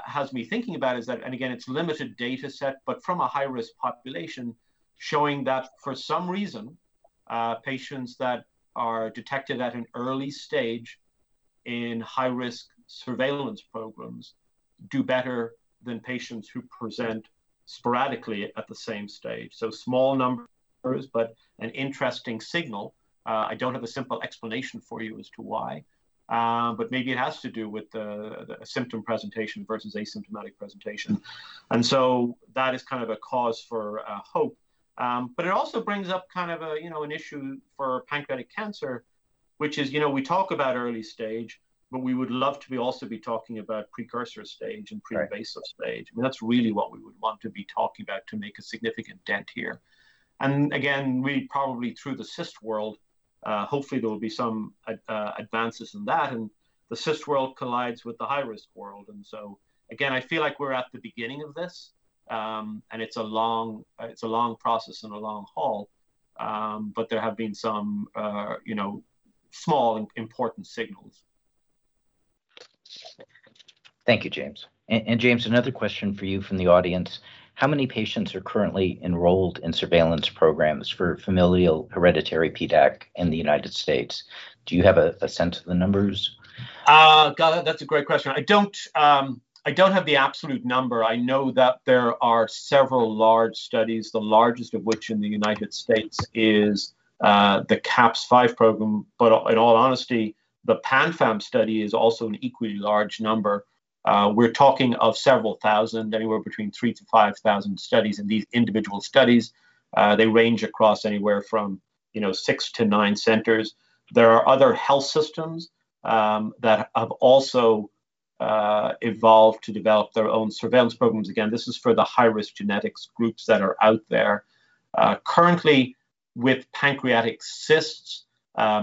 E: has me thinking about is that, and again, it's a limited data set, but from a high-risk population, showing that for some reason, patients that are detected at an early stage in high-risk surveillance programs do better than patients who present sporadically at the same stage. Small numbers, but an interesting signal. I don't have a simple explanation for you as to why, but maybe it has to do with the symptom presentation versus asymptomatic presentation. That is kind of a cause for hope. It also brings up kind of an issue for pancreatic cancer, which is we talk about early stage, but we would love to also be talking about precursor stage and pre-invasive stage. That's really what we would want to be talking about to make a significant dent here. Again, really probably through the cyst world, hopefully there'll be some advances in that. The cyst world collides with the high-risk world. Again, I feel like we're at the beginning of this, and it's a long process and a long haul, but there have been some small, important signals.
B: Thank you, James. James, another question for you from the audience. How many patients are currently enrolled in surveillance programs for familial hereditary PDAC in the U.S.? Do you have a sense of the numbers?
E: That's a great question. I don't have the absolute number. I know that there are several large studies, the largest of which in the U.S. is the CAPS5 program. In all honesty, the PanFAM study is also an equally large number. We're talking of several thousand, anywhere between 3,000-5,000 studies in these individual studies. They range across anywhere from six to nine centers. There are other health systems that have also evolved to develop their own surveillance programs. Again, this is for the high-risk genetics groups that are out there. Currently, with pancreatic cysts,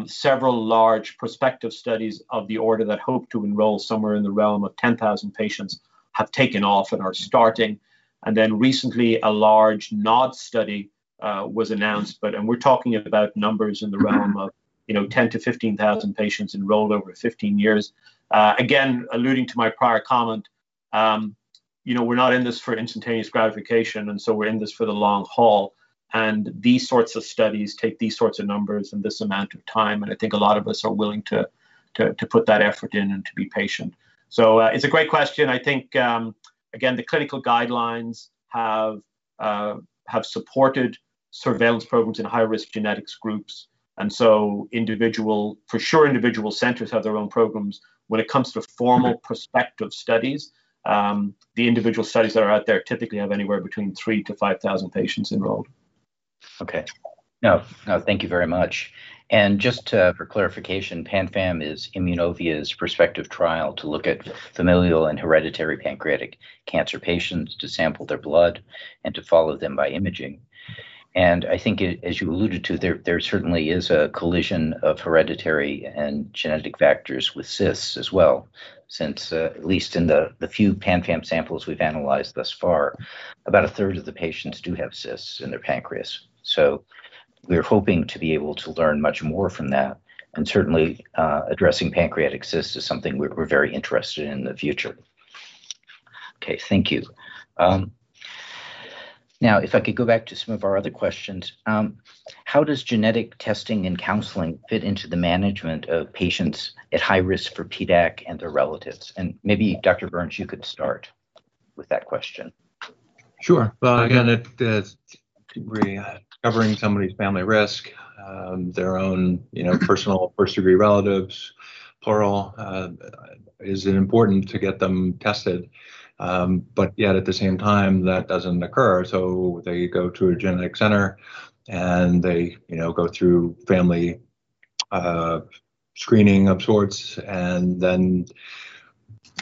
E: several large prospective studies of the order that hope to enroll somewhere in the realm of 10,000 patients have taken off and are starting. Recently, a large NOD study was announced, and we're talking about numbers in the realm of 10,000-15,000 patients enrolled over 15 years. Again, alluding to my prior comment, we're not in this for instantaneous gratification, we're in this for the long haul. These sorts of studies take these sorts of numbers and this amount of time, and I think a lot of us are willing to put that effort in and to be patient. It's a great question. I think, again, the clinical guidelines have supported surveillance programs in high-risk genetics groups, for sure, individual centers have their own programs. When it comes to formal prospective studies, the individual studies that are out there typically have anywhere between 3,000 to 5,000 patients enrolled.
B: Okay. No, thank you very much. Just for clarification, PanFAM is Immunovia's prospective trial to look at familial and hereditary pancreatic cancer patients to sample their blood and to follow them by imaging. I think, as you alluded to, there certainly is a collision of hereditary and genetic factors with cysts as well, since at least in the few PanFAM samples we've analyzed thus far, about a third of the patients do have cysts in their pancreas. We're hoping to be able to learn much more from that, and certainly, addressing pancreatic cysts is something we're very interested in the future. Okay. Thank you. Now, if I could go back to some of our other questions. How does genetic testing and counseling fit into the management of patients at high risk for PDAC and their relatives? Maybe, Dr. Burns, you could start with that question.
C: Sure. Again, if we're covering somebody's family risk, their own personal first-degree relatives, plural, is it important to get them tested? Yet, at the same time, that doesn't occur, so they go to a genetic center, and they go through family screening of sorts, and then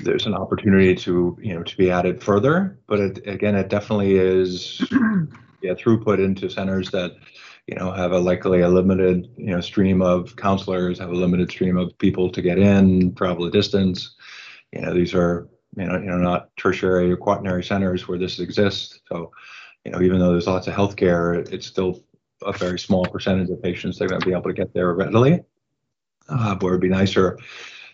C: there's an opportunity to be added further. Again, it definitely is throughput into centers that have likely a limited stream of counselors, have a limited stream of people to get in, travel distance. These are not tertiary or quaternary centers where this exists. Even though there's lots of healthcare, it's still a very small percentage of patients that are going to be able to get there readily. It would be nicer,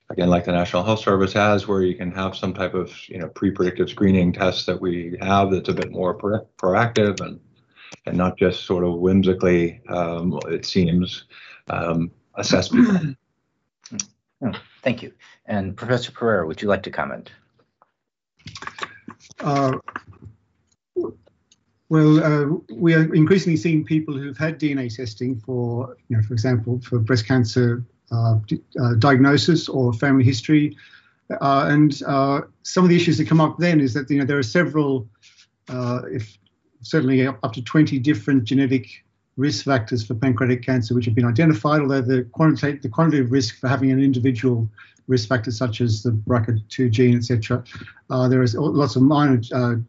C: again, like the National Health Service has, where you can have some type of pre-predictive screening test that we have that's a bit more proactive and not just sort of whimsically, it seems, assessment.
B: Thank you. Professor Pereira, would you like to comment?
D: We are increasingly seeing people who've had DNA testing, for example, for breast cancer diagnosis or family history. Some of the issues that come up then is that there are several, certainly up to 20 different genetic risk factors for pancreatic cancer, which have been identified, although the quantitative risk for having an individual risk factor such as the BRCA2 gene, et cetera. There is lots of minor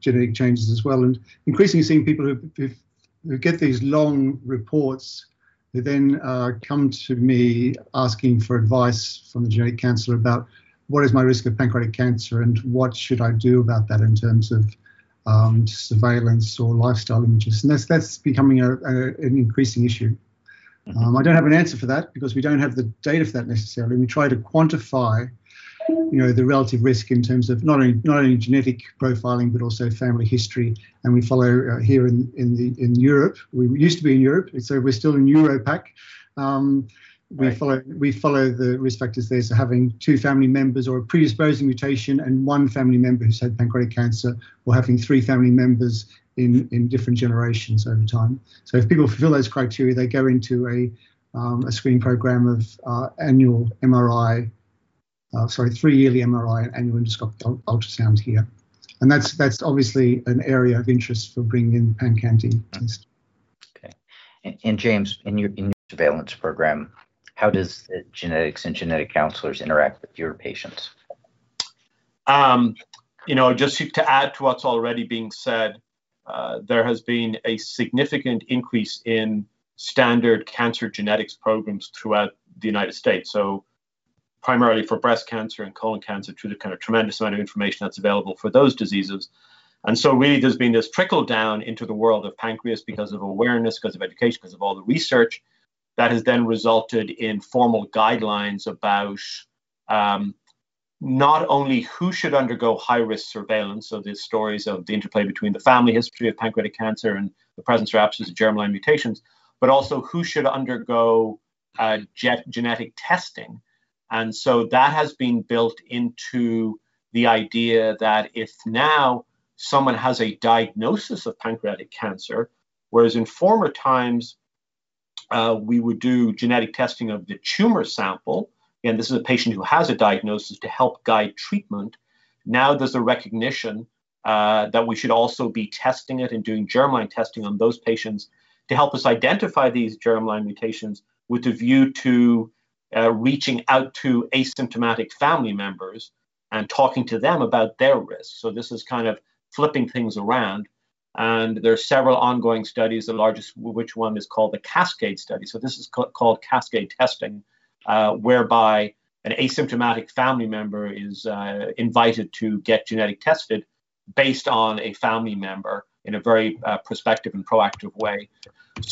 D: genetic changes as well, increasingly seeing people who get these long reports who then come to me asking for advice from the genetic counselor about, "What is my risk of pancreatic cancer, and what should I do about that in terms of surveillance or lifestyle changes?" That's becoming an increasing issue. I don't have an answer for that because we don't have the data for that necessarily. We try to quantify the relative risk in terms of not only genetic profiling but also family history. We follow here in Europe. Well, we used to be in Europe. We're still in EuroPac. We follow the risk factors there, so having family members or a predisposing mutation and one family member who's had pancreatic cancer, or having three family members in different generations over time. If people fulfill those criteria, they go into a screening program of annual MRI, sorry, three yearly MRI, annual endoscopic ultrasound here. That's obviously an area of interest for bringing PanCan in.
E: Okay. James, in your surveillance program, how does genetics and genetic counselors interact with your patients? Just to add to what's already being said, there has been a significant increase in standard cancer genetics programs throughout the U.S., primarily for breast cancer and colon cancer due to the kind of tremendous amount of information that's available for those diseases. Really, there's been this trickle-down into the world of pancreas because of awareness, because of education, because of all the research, that has then resulted in formal guidelines about not only who should undergo high-risk surveillance, the stories of the interplay between the family history of pancreatic cancer and the presence or absence of germline mutations, but also who should undergo genetic testing. That has been built into the idea that if now someone has a diagnosis of pancreatic cancer, whereas in former times, we would do genetic testing of the tumor sample, again, this is a patient who has a diagnosis to help guide treatment. Now, there's a recognition that we should also be testing it and doing germline testing on those patients to help us identify these germline mutations with a view to reaching out to asymptomatic family members and talking to them about their risks. This is kind of flipping things around, and there are several ongoing studies, the largest of which one is called the CASCADE Study. This is called cascade testing, whereby an asymptomatic family member is invited to get genetically tested based on a family member in a very prospective and proactive way.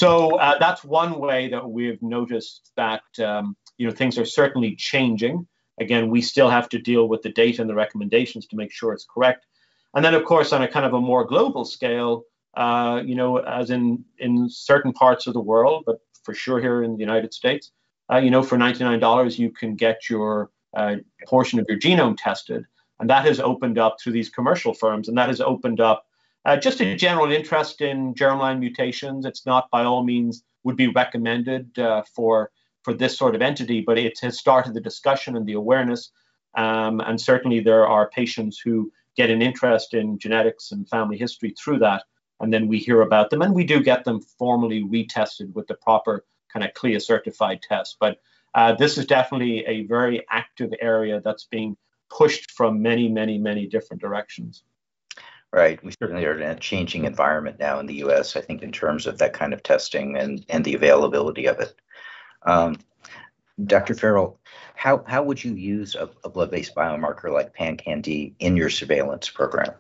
E: That's one way that we've noticed that things are certainly changing. Again, we still have to deal with the data and the recommendations to make sure it's correct. Of course, on a more global scale, as in certain parts of the world, but for sure, here in the U.S., for $99, you can get a portion of your genome tested, and that has opened up to these commercial firms, and that has opened up just a general interest in germline mutations. It's not, by all means, would be recommended for this sort of entity, but it has started the discussion and the awareness, and certainly, there are patients who get an interest in genetics and family history through that, and then we hear about them, and we do get them formally retested with the proper kind of CLIA-certified test. This is definitely a very active area that's being pushed from many different directions.
B: Right. We certainly are in a changing environment now in the U.S., I think, in terms of that kind of testing and the availability of it. Dr. Farrell, how would you use a blood-based biomarker like PanCan-d in your surveillance program?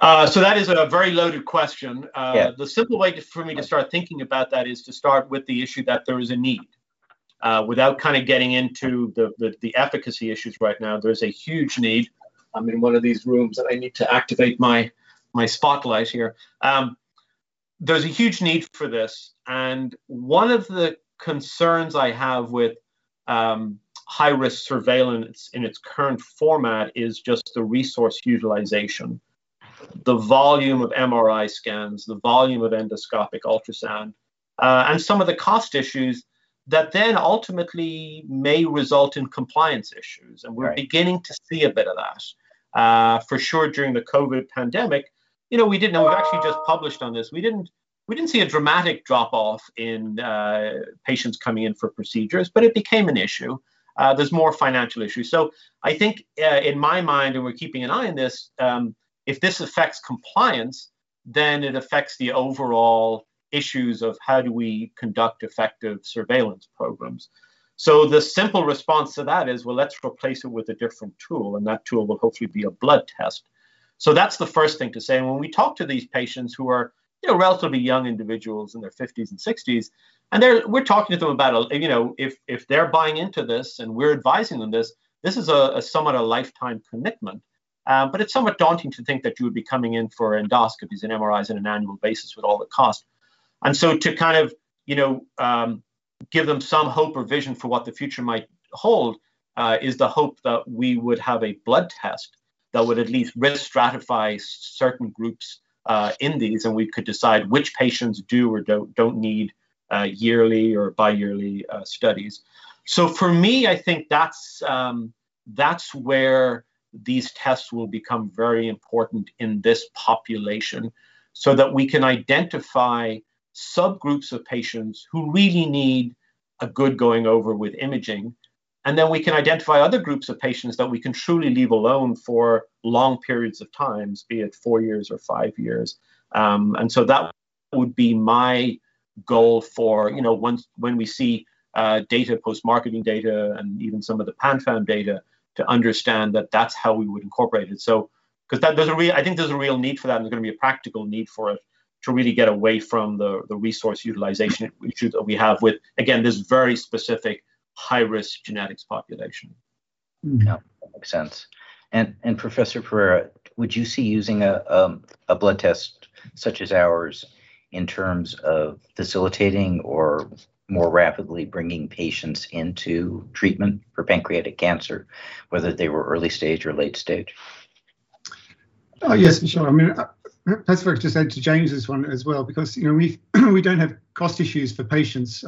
E: That is a very loaded question.
B: Yeah.
E: The simple way for me to start thinking about that is to start with the issue that there is a need. Without kind of getting into the efficacy issues right now, there's a huge need. I'm in one of these rooms that I need to activate my spotlight here. There's a huge need for this, and one of the concerns I have with high-risk surveillance in its current format is just the resource utilization, the volume of MRI scans, the volume of endoscopic ultrasound, and some of the cost issues that then ultimately may result in compliance issues, and we're beginning to see a bit of that. For sure, during the COVID-19 pandemic, we did know, we've actually just published on this. We didn't see a dramatic drop-off in patients coming in for procedures, but it became an issue. There's more financial issues. I think, in my mind, and we're keeping an eye on this, if this affects compliance, then it affects the overall issues of how do we conduct effective surveillance programs. The simple response to that is, well, let's replace it with a different tool, and that tool will hopefully be a blood test. That's the first thing to say. When we talk to these patients who are relatively young individuals in their 50s and 60s, and we're talking to them about if they're buying into this and we're advising on this is somewhat a lifetime commitment. It's somewhat daunting to think that you would be coming in for endoscopies and MRIs on an annual basis with all the costs. To kind of give them some hope or vision for what the future might hold, is the hope that we would have a blood test that would at least risk stratify certain groups in these, and we could decide which patients do or don't need yearly or bi-yearly studies. For me, I think that's where these tests will become very important in this population, so that we can identify subgroups of patients who really need a good going over with imaging, and then we can identify other groups of patients that we can truly leave alone for long periods of times, be it four years or five years. That would be my goal for when we see data, post-marketing data, and even some of the PanFAM data, to understand that that's how we would incorporate it. I think there's a real need for that, and there's going to be a practical need for it to really get away from the resource utilization issues that we have with, again, this very specific high-risk genetics population.
B: Yeah, that makes sense. Professor Pereira, would you see using a blood test such as ours in terms of facilitating or more rapidly bringing patients into treatment for pancreatic cancer, whether they were early stage or late stage?
D: Oh, yes, sure. Perhaps what I just said to James as well, because we don't have cost issues for patients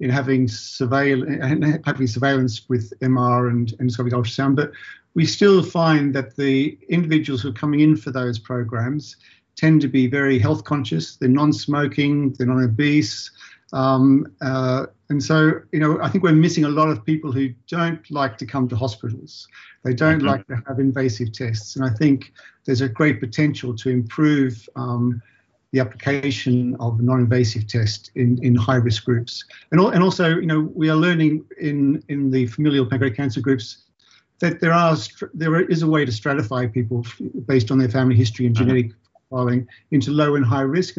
D: in having surveillance with MR and endoscopic ultrasound. We still find that the individuals who are coming in for those programs tend to be very health-conscious. They're non-smoking, they're non-obese, and so I think we're missing a lot of people who don't like to come to hospitals.
B: Okay.
D: They don't like to have invasive tests, I think there's a great potential to improve the application of non-invasive tests in high-risk groups. Also, we are learning in the familial pancreatic cancer groups that there is a way to stratify people based on their family history and genetic profiling into low and high risk.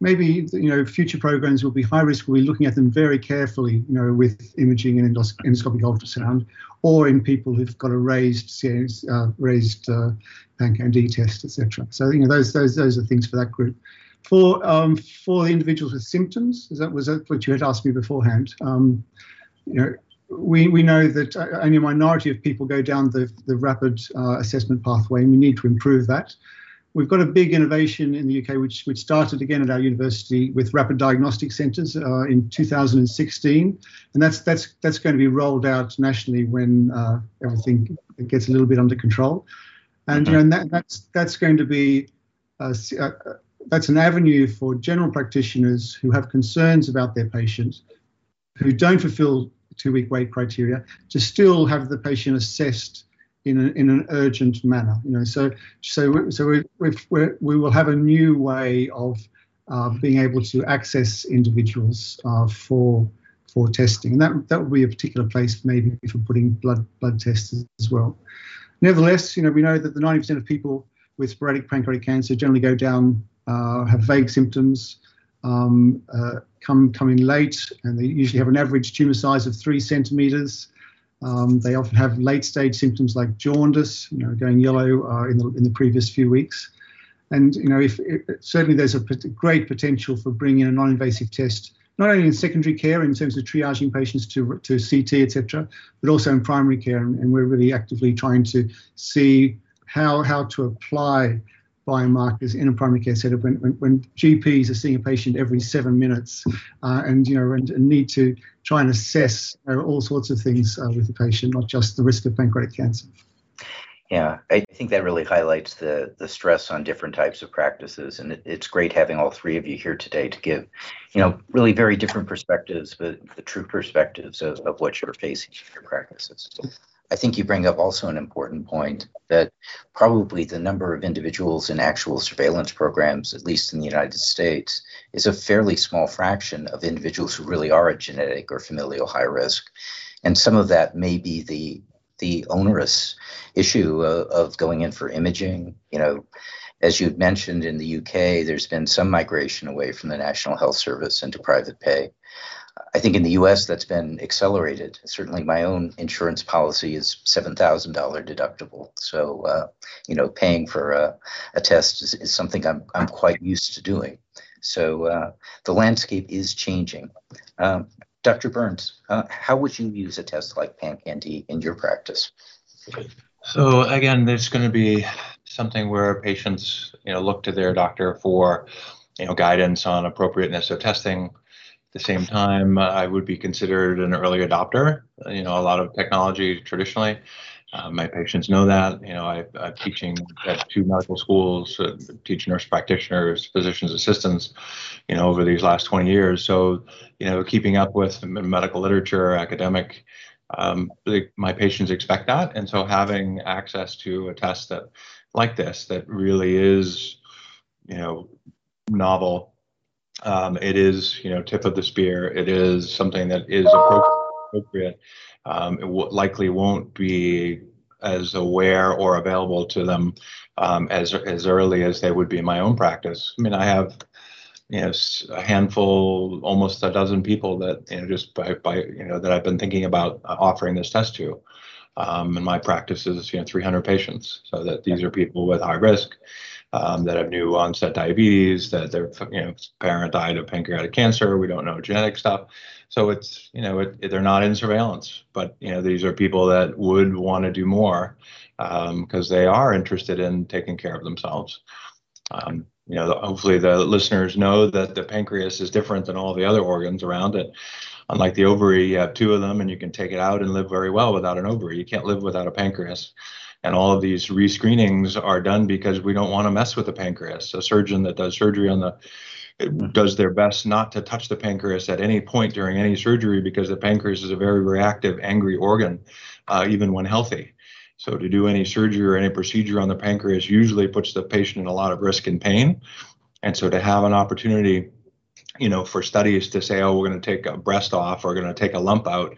D: Maybe future programs will be high risk. We'll be looking at them very carefully, with imaging, endoscopy, endoscopic ultrasound, or in people who've got a raised IMMray PanCan-d test, et cetera. Those are things for that group. For individuals with symptoms, that was what you had asked me beforehand. We know that only a minority of people go down the rapid assessment pathway, and we need to improve that. We've got a big innovation in the U.K., which started again at our university with rapid diagnostic centers in 2016. That's going to be rolled out nationally when everything gets a little bit under control. That's an avenue for general practitioners who have concerns about their patients who don't fulfill two-week wait criteria to still have the patient assessed in an urgent manner. We will have a new way of being able to access individuals for testing. That will be a particular place maybe for putting blood tests as well. Nevertheless, we know that the 90% of people with sporadic pancreatic cancer generally go down, have vague symptoms, come in late, and they usually have an average tumor size of 3 cm. They often have late-stage symptoms like jaundice, going yellow in the previous few weeks. Certainly, there's a great potential for bringing a non-invasive test, not only in secondary care in terms of triaging patients to CT, et cetera, but also in primary care. We're really actively trying to see how to apply biomarkers in a primary care setting when GPs are seeing a patient every 7 minutes and need to try and assess all sorts of things with the patient, not just the risk of pancreatic cancer.
B: Yeah, I think that really highlights the stress on different types of practices, and it's great having all three of you here today to give really very different perspectives, but the true perspectives of what you're facing for practices. I think you bring up also an important point that probably the number of individuals in actual surveillance programs, at least in the U.S., is a fairly small fraction of individuals who really are at genetic or familial high risk. Some of that may be the onerous issue of going in for imaging. As you've mentioned, in the U.K., there's been some migration away from the National Health Service into private pay. In the U.S., that's been accelerated. Certainly, my own insurance policy is $7,000 deductible, paying for a test is something I'm quite used to doing. The landscape is changing. Dr. Burns, how would you use a test like IMMray PanCan-d in your practice?
C: Again, there's going to be something where patients look to their doctor for guidance on appropriateness of testing. At the same time, I would be considered an early adopter. A lot of technology, traditionally, my patients know that. I'm teaching at two medical schools, teaching nurse practitioners, physician assistants over these last 20 years. Keeping up with the medical literature, academic, my patients expect that. Having access to a test like this that really is novel. It is tip of the spear. It is something that is appropriate. It likely won't be as aware or available to them as early as they would be in my own practice. I have a handful, almost one dozen people that I've been thinking about offering this test to. My practice is 300 patients, so these are people with high risk that have new onset diabetes, that their parent died of pancreatic cancer. We don't know genetics though. They're not in surveillance, but these are people that would want to do more because they are interested in taking care of themselves. Hopefully, the listeners know that the pancreas is different than all the other organs around it. Unlike the ovary, you have two of them, and you can take it out and live very well without an ovary. You can't live without a pancreas, and all of these re-screenings are done because we don't want to mess with the pancreas. A surgeon that does surgery does their best not to touch the pancreas at any point during any surgery because the pancreas is a very reactive, angry organ, even when healthy. To do any surgery or any procedure on the pancreas usually puts the patient in a lot of risk and pain. To have an opportunity for studies to say, "Oh, we're going to take a breast off, or we're going to take a lump out,"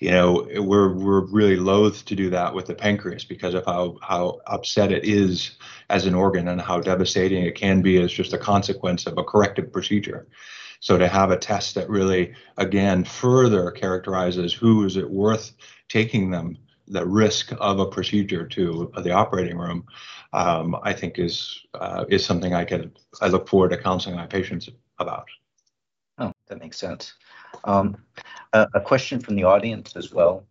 C: we're really loath to do that with the pancreas because of how upset it is as an organ and how devastating it can be as just a consequence of a corrective procedure. To have a test that really, again, further characterizes who is it worth taking them the risk of a procedure to the operating room, I think is something I look forward to counseling my patients about.
B: That makes sense. A question from the audience as well.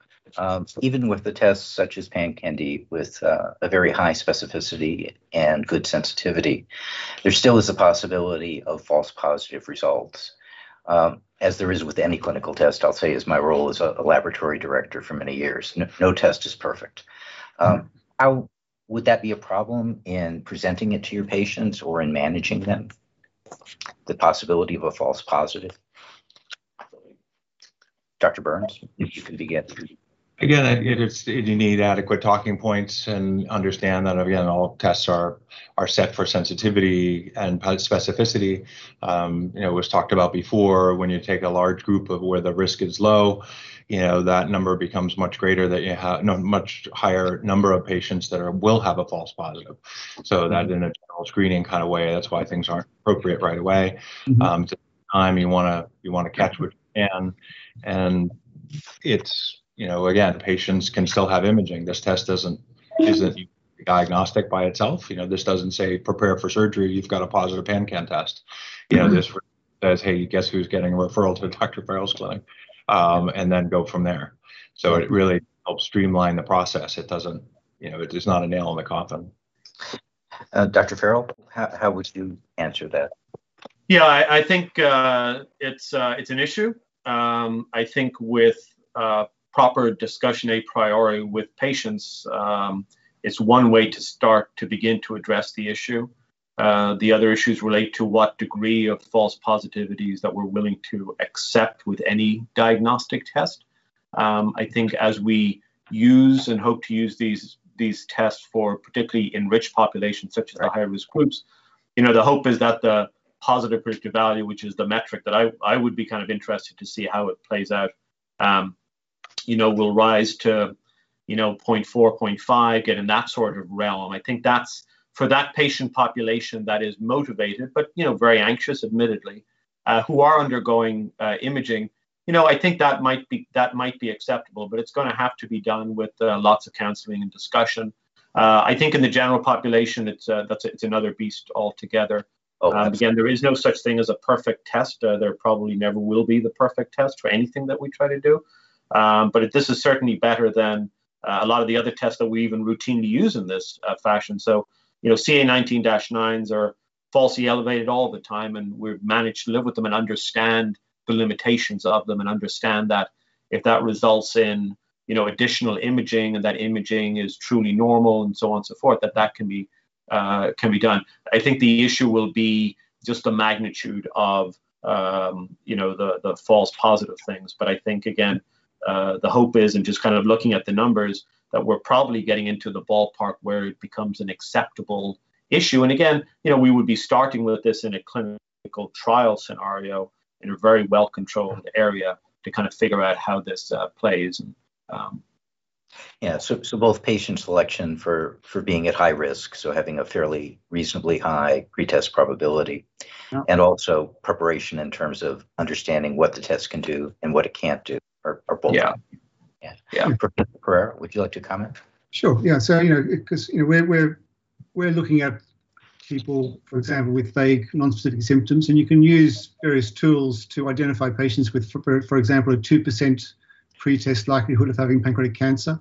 B: Even with the tests such as IMMray PanCan-d, with a very high specificity and good sensitivity, there still is a possibility of false positive results, as there is with any clinical test, I'll say, as my role as a laboratory director for many years. No test is perfect. Would that be a problem in presenting it to your patients or in managing them, the possibility of a false positive? Dr. Burns, you can begin.
C: You need adequate talking points and understand that, again, all tests are set for sensitivity and specificity. It was talked about before, when you take a large group of where the risk is low, that number becomes much greater, that you have a much higher number of patients that will have a false positive. In a general screening kind of way, that's why things aren't appropriate right away. Second time, you want to catch what you can, again, patients can still have imaging. This test isn't diagnostic by itself. This doesn't say, "Prepare for surgery. You've got a positive PanCan test.
B: As, "Hey, guess who's getting a referral to Dr. Farrell's clinic?" Go from there. It really helps streamline the process. It is not a nail in the coffin. Dr. Farrell, how would you answer that?
E: I think it's an issue. I think with proper discussion a priori with patients, it's one way to start to begin to address the issue. The other issues relate to what degree of false positivities that we're willing to accept with any diagnostic test. I think as we use and hope to use these tests for particularly in rich populations such as our high-risk groups, the hope is that the positive predictive value, which is the metric that I would be kind of interested to see how it plays out will rise to 0.4, 0.5, get in that sort of realm. I think for that patient population that is motivated but very anxious admittedly who are undergoing imaging, I think that might be acceptable, but it's going to have to be done with lots of counseling and discussion. I think in the general population, it's another beast altogether.
C: Okay.
E: There is no such thing as a perfect test. There probably never will be the perfect test for anything that we try to do. This is certainly better than a lot of the other tests that we even routinely use in this fashion. CA 19-9s are falsely elevated all the time, and we've managed to live with them and understand the limitations of them and understand that if that results in additional imaging and that imaging is truly normal and so on and so forth, that that can be done. I think the issue will be just the magnitude of the false positive things. I think, again, the hope is in just kind of looking at the numbers that we're probably getting into the ballpark where it becomes an acceptable issue. Again, we would be starting with this in a clinical trial scenario in a very well-controlled area to kind of figure out how this plays.
B: Yeah. Both patient selection for being at high risk, so having a fairly reasonably high pretest probability.
E: Yeah
B: Also preparation in terms of understanding what the test can do and what it can't do, or both.
E: Yeah.
B: Yeah. Pereira, would you like to comment?
D: Sure. Yeah, because we're looking at people, for example, with vague non-specific symptoms, and you can use various tools to identify patients with, for example, a 2% pretest likelihood of having pancreatic cancer.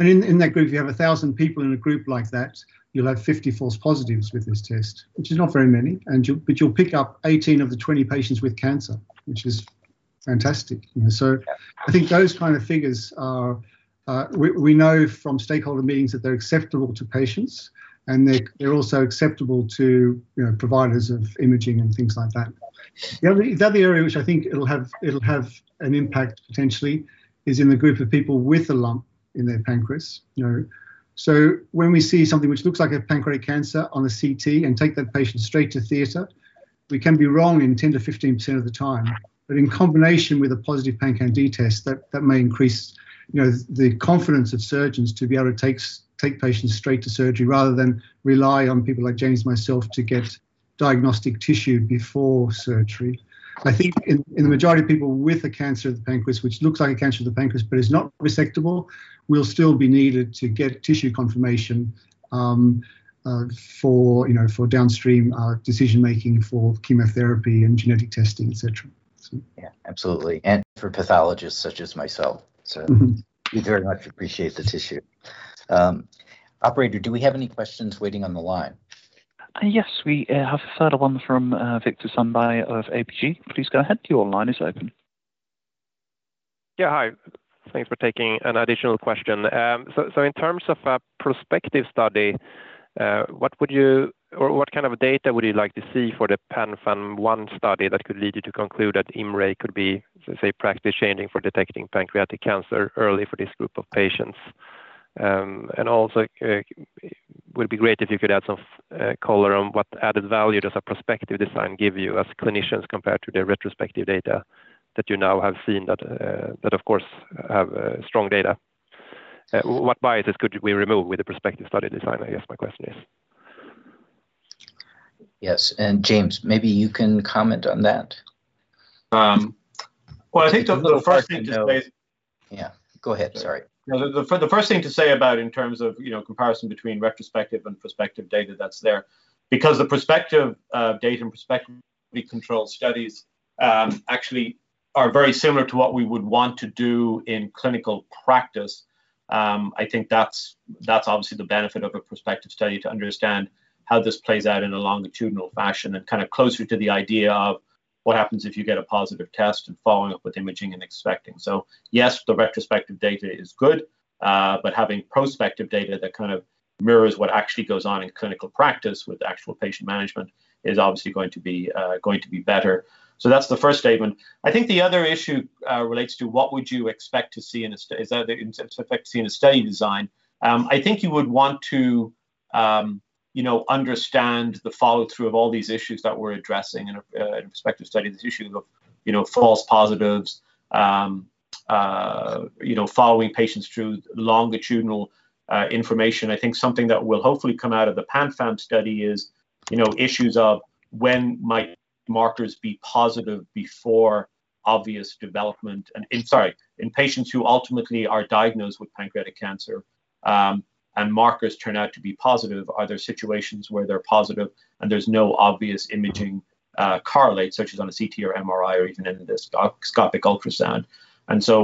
D: In that group, you have 1,000 people in a group like that, you'll have 50 false positives with this test, which is not very many, but you'll pick up 18 of the 20 patients with cancer, which is fantastic. I think those kind of figures are, we know from stakeholder meetings that they're acceptable to patients, and they're also acceptable to providers of imaging and things like that. The other area which I think it'll have an impact potentially is in the group of people with a lump in their pancreas. When we see something which looks like a pancreatic cancer on a CT and take that patient straight to theater, we can be wrong in 10%-15% of the time. In combination with a positive PanCan-d test, that may increase the confidence of surgeons to be able to take patients straight to surgery rather than rely on people like James and myself to get diagnostic tissue before surgery. I think in the majority of people with a cancer of the pancreas, which looks like a cancer of the pancreas but is not resectable, we'll still be needed to get tissue confirmation for downstream decision-making for chemotherapy and genetic testing, et cetera.
B: Yeah, absolutely, for pathologists such as myself. We very much appreciate the tissue. Operator, do we have any questions waiting on the line?
F: Yes, we have the third one from Viktor Sundberg of ABG. Please go ahead, your line is open.
G: Yeah, hi. Thanks for taking an additional question. In terms of a prospective study, what kind of data would you like to see for the PanFAM-1 study that could lead you to conclude that IMMray could be, let's say, practice-changing for detecting pancreatic cancer early for this group of patients? It would be great if you could add some color on what added value does a prospective design give you as clinicians compared to the retrospective data that you now have seen that, of course, have strong data. What bias could we remove with a prospective study design, I guess my question is.
E: Yes. James, maybe you can comment on that. Well, I think the first thing to say.
B: Yeah, go ahead. Sorry.
E: The first thing to say about in terms of comparison between retrospective and prospective data that's there, because the prospective data and prospective controlled studies actually are very similar to what we would want to do in clinical practice, I think that's obviously the benefit of a prospective study to understand how this plays out in a longitudinal fashion and kind of closer to the idea of what happens if you get a positive test and following up with imaging and expecting. Yes, the retrospective data is good, but having prospective data that kind of mirrors what actually goes on in clinical practice with actual patient management is obviously going to be better. That's the first statement. I think the other issue relates to what would you expect to see in a study design. I think you would want to understand the follow-through of all these issues that we're addressing in a prospective study, the issues of false positives, following patients through longitudinal information. I think something that will hopefully come out of the PanFAM study is issues of when might markers be positive before obvious development in patients who ultimately are diagnosed with pancreatic cancer, and markers turn out to be positive. Are there situations where they're positive and there's no obvious imaging correlates, such as on a CT or MRI or even endoscopic ultrasound?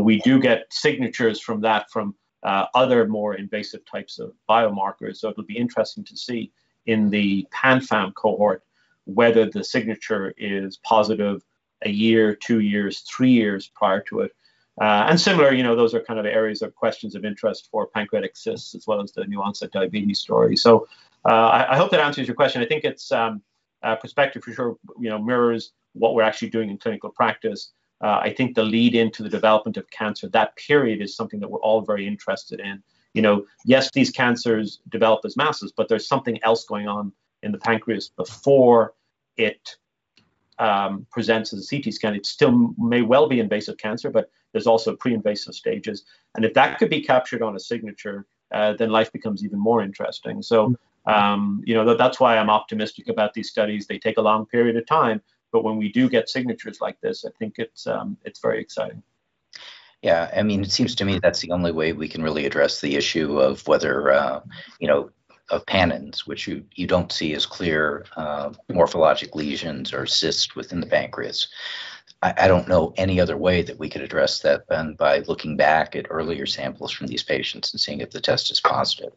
E: We do get signatures from that from other more invasive types of biomarkers. It'll be interesting to see in the PanFAM cohort whether the signature is positive one year, two years, three years prior to it. Similar, those are kind of areas of questions of interest for pancreatic cysts as well as the nuanced diabetes story. I hope that answers your question. I think its perspective for sure mirrors what we're actually doing in clinical practice. I think the lead into the development of cancer, that period is something that we're all very interested in. Yes, these cancers develop as masses, but there's something else going on in the pancreas before it presents as a CT scan. It still may well be invasive cancer, but there's also pre-invasive stages, and if that could be captured on a signature, then life becomes even more interesting. That's why I'm optimistic about these studies. They take a long period of time, but when we do get signatures like this, I think it's very exciting.
B: Yeah, it seems to me that's the only way we can really address the issue of whether PanINs, which you don't see as clear morphologic lesions or cysts within the pancreas. I don't know any other way that we could address that than by looking back at earlier samples from these patients and seeing if the test is positive.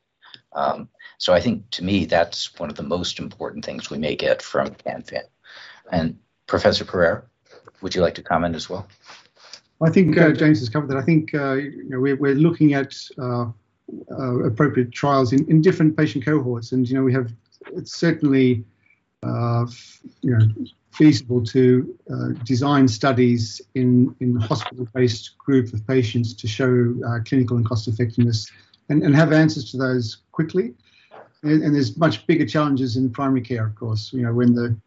B: I think to me, that's one of the most important things we may get from PanFAM. Professor Pereira, would you like to comment as well?
D: I think James has covered it. I think we're looking at appropriate trials in different patient cohorts, and it's certainly feasible to design studies in the hospital-based group of patients to show clinical and cost-effectiveness and have answers to those quickly. There's much bigger challenges in primary care, of course, when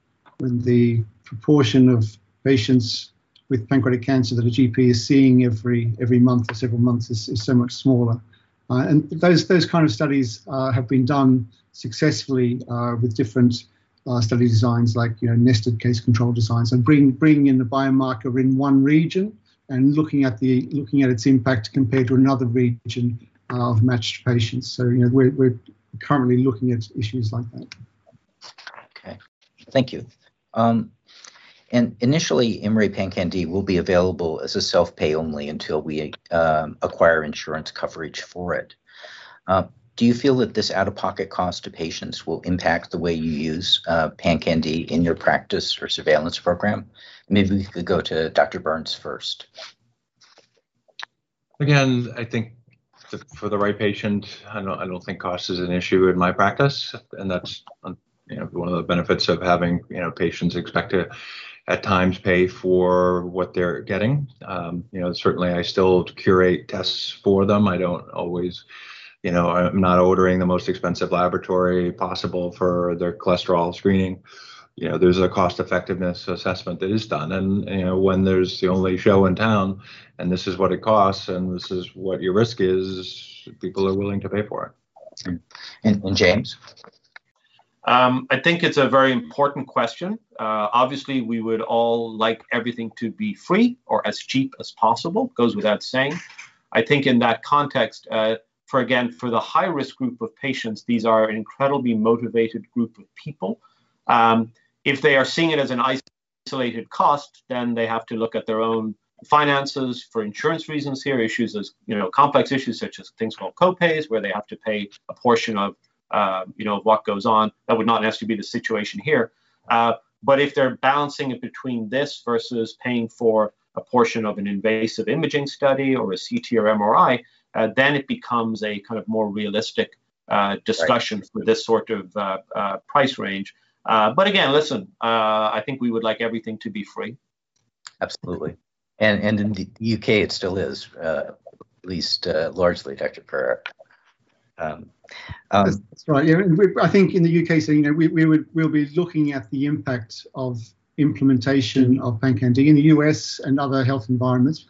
D: the proportion of patients with pancreatic cancer that a GP is seeing every month for several months is so much smaller. Those kind of studies have been done successfully, with different study designs like nested case-control designs and bringing the biomarker in one region and looking at its impact compared to another region of matched patients. We're currently looking at issues like that.
B: Okay. Thank you. Initially, IMMray PanCan-d will be available as a self-pay only until we acquire insurance coverage for it. Do you feel that this out-of-pocket cost to patients will impact the way you use PanCan-d in your practice or surveillance program? Maybe we could go to Dr. Burns first.
C: I think for the right patient, I don't think cost is an issue in my practice, and that's one of the benefits of having patients expect to, at times, pay for what they're getting. Certainly, I still curate tests for them. I'm not ordering the most expensive laboratory possible for their cholesterol screening. There's a cost-effectiveness assessment that is done, and when there's the only show in town, and this is what it costs, and this is what your risk is, people are willing to pay for it.
B: James?
E: I think it's a very important question. Obviously, we would all like everything to be free or as cheap as possible, goes without saying. I think in that context, again, for the high-risk group of patients, these are an incredibly motivated group of people. If they are seeing it as an isolated cost, then they have to look at their own finances for insurance reasons, there are issues, complex issues such as things called co-pays, where they have to pay a portion of what goes on. That would not necessarily be the situation here. If they're balancing it between this versus paying for a portion of an invasive imaging study or a CT or MRI, then it becomes a more realistic discussion for this sort of price range. Again, listen, I think we would like everything to be free.
B: Absolutely. In the U.K. it still is, at least largely, Dr. Pereira.
D: I think in the U.K., we'll be looking at the impact of implementation of IMMray PanCan-d in the U.S. and other health environments.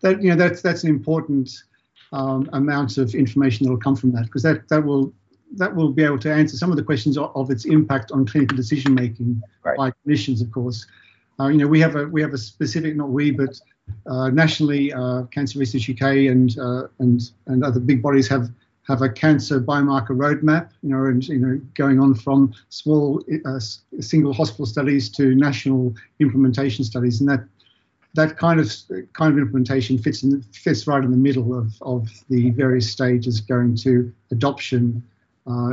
D: That's an important amount of information that will come from that because that will be able to answer some of the questions of its impact on clinical decision-making by clinicians, of course. We have a specific, not we, but nationally, Cancer Research UK and other big bodies have a cancer biomarker roadmap, going on from small, single-hospital studies to national implementation studies. That kind of implementation fits right in the middle of the various stages going to adoption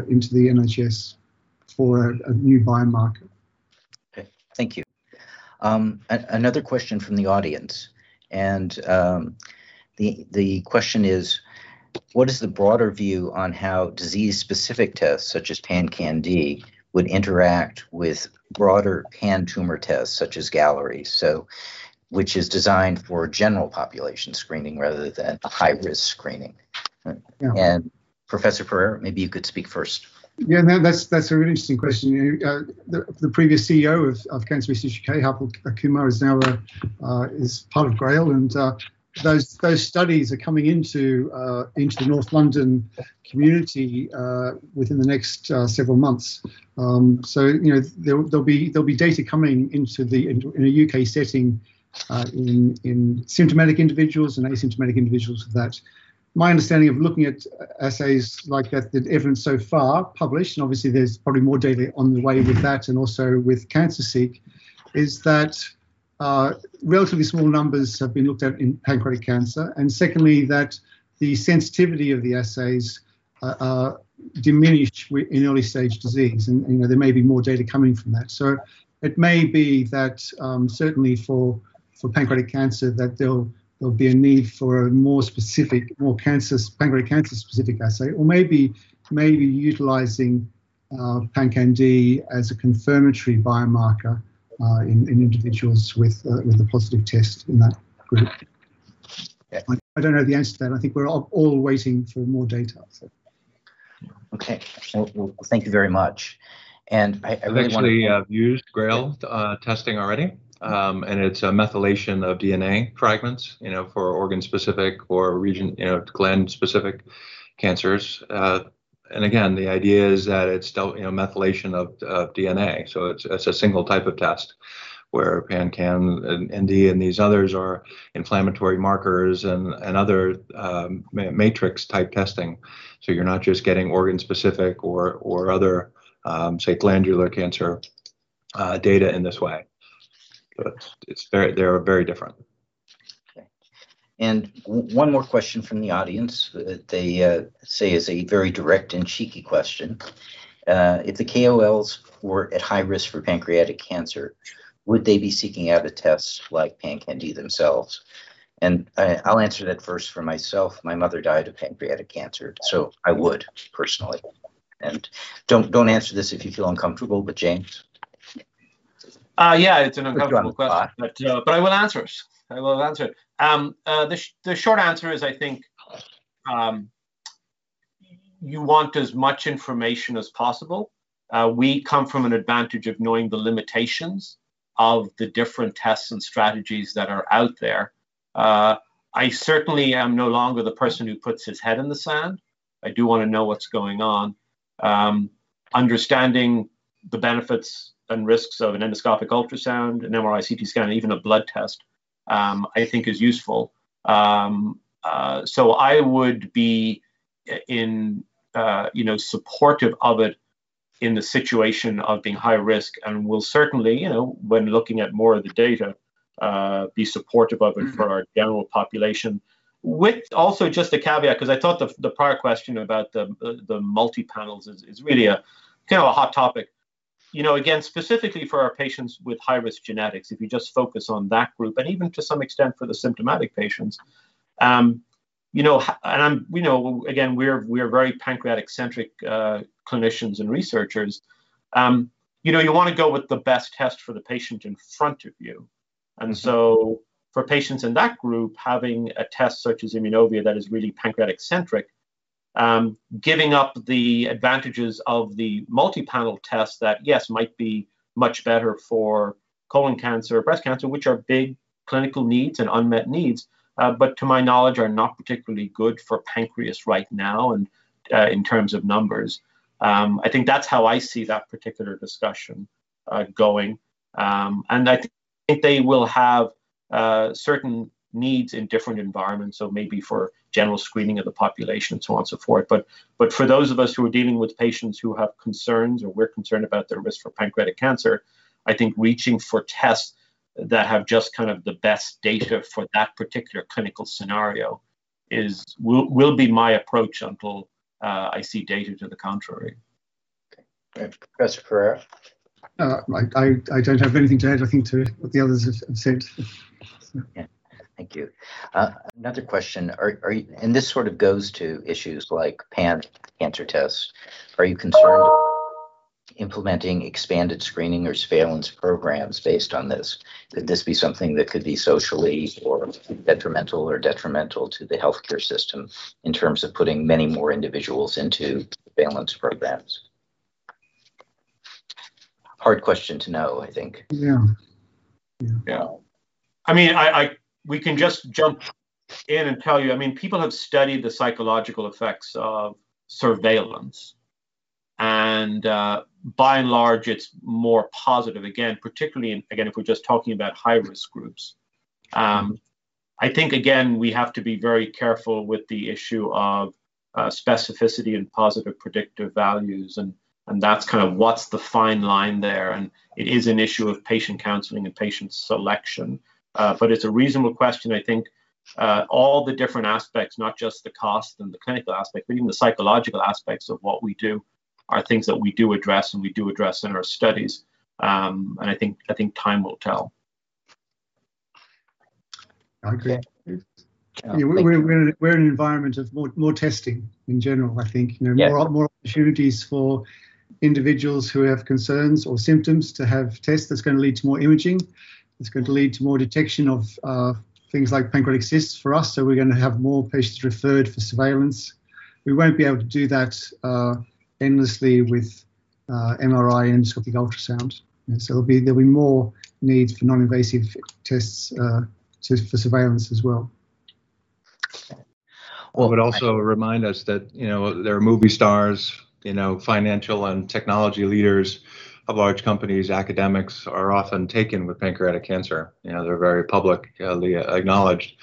D: into the NHS for a new biomarker.
B: Okay. Thank you. Another question from the audience, the question is, what is the broader view on how disease-specific tests, such as IMMray PanCan-d, would interact with broader pan-tumor tests such as Galleri, which is designed for general population screening rather than a high-risk screening. Professor Pereira, maybe you could speak first.
D: That's an interesting question. The previous CEO of Cancer Research UK, Harpal Kumar, is now part of Grail, and those studies are coming into the North London community within the next several months. There'll be data coming into a U.K. setting in symptomatic individuals and asymptomatic individuals for that. My understanding of looking at assays like that, the evidence so far published, obviously there's probably more data on the way with that and also with CancerSEEK, is that relatively small numbers have been looked at in pancreatic cancer, and secondly, that the sensitivity of the assays are diminished in early-stage disease, and there may be more data coming from that. It may be that certainly for pancreatic cancer, that there'll be a need for a more pancreatic cancer-specific assay, or maybe utilizing PanCan-d as a confirmatory biomarker in individuals with a positive test in that group. I don't know the answer to that. I think we're all waiting for more data.
B: Okay. Well, thank you very much.
E: Actually, I've used Grail testing already, it's a methylation of DNA fragments for organ-specific or gland-specific cancers. Again, the idea is that it's methylation of DNA, it's a single type of test where PanFAM and IMMray PanCan-d and these others are inflammatory markers and other matrix-type testing. You're not just getting organ-specific or other, say, glandular cancer data in this way. They're very different.
B: Okay. One more question from the audience that they say is a very direct and cheeky question. If the KOLs were at high risk for pancreatic cancer, would they be seeking out a test like PanCan-d themselves? I'll answer that first for myself. My mother died of pancreatic cancer, so I would, personally. Don't answer this if you feel uncomfortable, but James?
E: Yeah, it's an uncomfortable question. I will answer it. The short answer is, I think, you want as much information as possible. We come from an advantage of knowing the limitations of the different tests and strategies that are out there. I certainly am no longer the person who puts his head in the sand. I do want to know what's going on. Understanding the benefits and risks of an endoscopic ultrasound, an MRI, CT scan, even a blood test, I think is useful. I would be supportive of it in the situation of being high risk and will certainly, when looking at more of the data, be supportive of it for our general population. With also just a caveat, because I thought the prior question about the multi-panels is really a hot topic. Again, specifically for our patients with high-risk genetics, if you just focus on that group, and even to some extent for the symptomatic patients. Again, we're very pancreatic-centric clinicians and researchers. You want to go with the best test for the patient in front of you. For patients in that group, having a test such as Immunovia that is really pancreatic-centric giving up the advantages of the multi-panel test that, yes, might be much better for colon cancer or breast cancer, which are big clinical needs and unmet needs, but to my knowledge, are not particularly good for pancreas right now in terms of numbers. I think that's how I see that particular discussion going, and that they will have certain needs in different environments, so maybe for general screening of the population, so on and so forth. For those of us who are dealing with patients who have concerns or we're concerned about their risk for pancreatic cancer, I think reaching for tests that have just the best data for that particular clinical scenario will be my approach until I see data to the contrary.
B: Professor Pereira.
D: No, I don't have anything to add. I think the others have said.
B: Yeah. Thank you. Another question. This goes to issues like pan-cancer tests. Are you concerned implementing expanded screening or surveillance programs based on this, could this be something that could be socially detrimental or detrimental to the healthcare system in terms of putting many more individuals into surveillance programs? Hard question to know, I think.
E: Yeah.
D: Yeah.
E: We can just jump in and tell you, people have studied the psychological effects of surveillance, by and large, it's more positive, again, particularly if we're just talking about high-risk groups. I think, again, we have to be very careful with the issue of specificity and positive predictive values, that's what's the fine line there, it is an issue of patient counseling and patient selection. It's a reasonable question. I think all the different aspects, not just the cost and the clinical aspect, but even the psychological aspects of what we do are things that we do address and we do address in our studies. I think time will tell.
B: Okay.
D: Yeah. We're in an environment of more testing in general, I think.
E: Yeah.
D: A lot more opportunities for individuals who have concerns or symptoms to have tests that's going to lead to more imaging. It's going to lead to more detection of things like pancreatic cysts for us, so we're going to have more patients referred for surveillance. We won't be able to do that endlessly with MRI and ultrasound. There'll be more need for non-invasive tests for surveillance as well.
B: Well, but also remind us that there are movie stars, financial and technology leaders of large companies, academics are often taken with pancreatic cancer. They're very publicly acknowledged.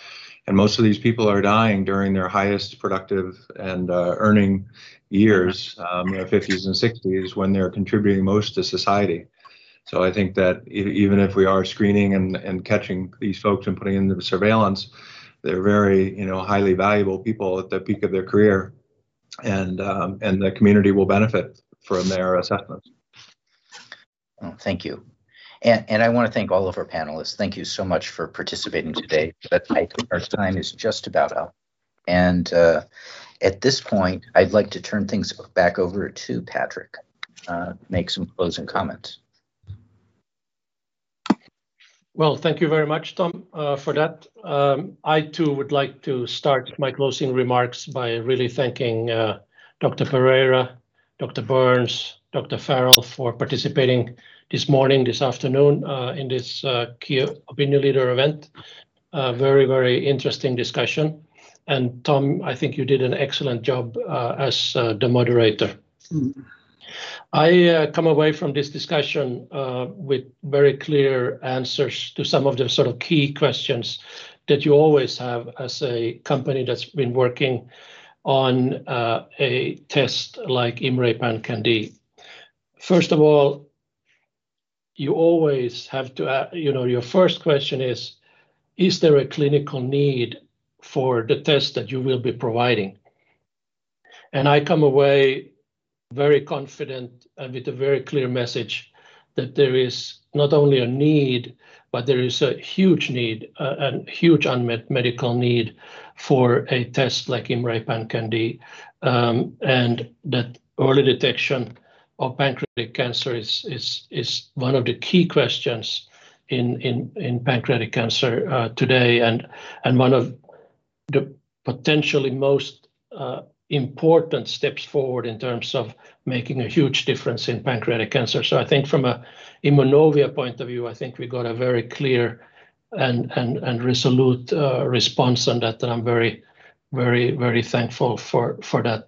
B: Most of these people are dying during their highest productive and earning years, their 50s and 60s, when they're contributing most to society. I think that even if we are screening and catching these folks and putting them in surveillance, they're very highly valuable people at the peak of their career, and the community will benefit from their assessments. Thank you. I want to thank all of our panelists. Thank you so much for participating today. I think our time is just about up. At this point, I'd like to turn things back over to Patrik Dahlen to make some closing comments.
A: Well, thank you very much, Tom, for that. I, too, would like to start my closing remarks by really thanking Dr. Pereira, Dr. Burns, Dr. Farrell for participating this morning, this afternoon, in this key opinion leader event. Very interesting discussion. Tom, I think you did an excellent job as the moderator. I come away from this discussion with very clear answers to some of the key questions that you always have as a company that's been working on a test like IMMray PanCan-d. First of all, your first question is there a clinical need for the test that you will be providing? I come away very confident and with a very clear message that there is not only a need, but there is a huge unmet medical need for a test like IMMray PanCan-d, and that early detection of pancreatic cancer is one of the key questions in pancreatic cancer today and one of the potentially most important steps forward in terms of making a huge difference in pancreatic cancer. I think from a Immunovia point of view, I think we got a very clear and resolute response on that, and I'm very thankful for that.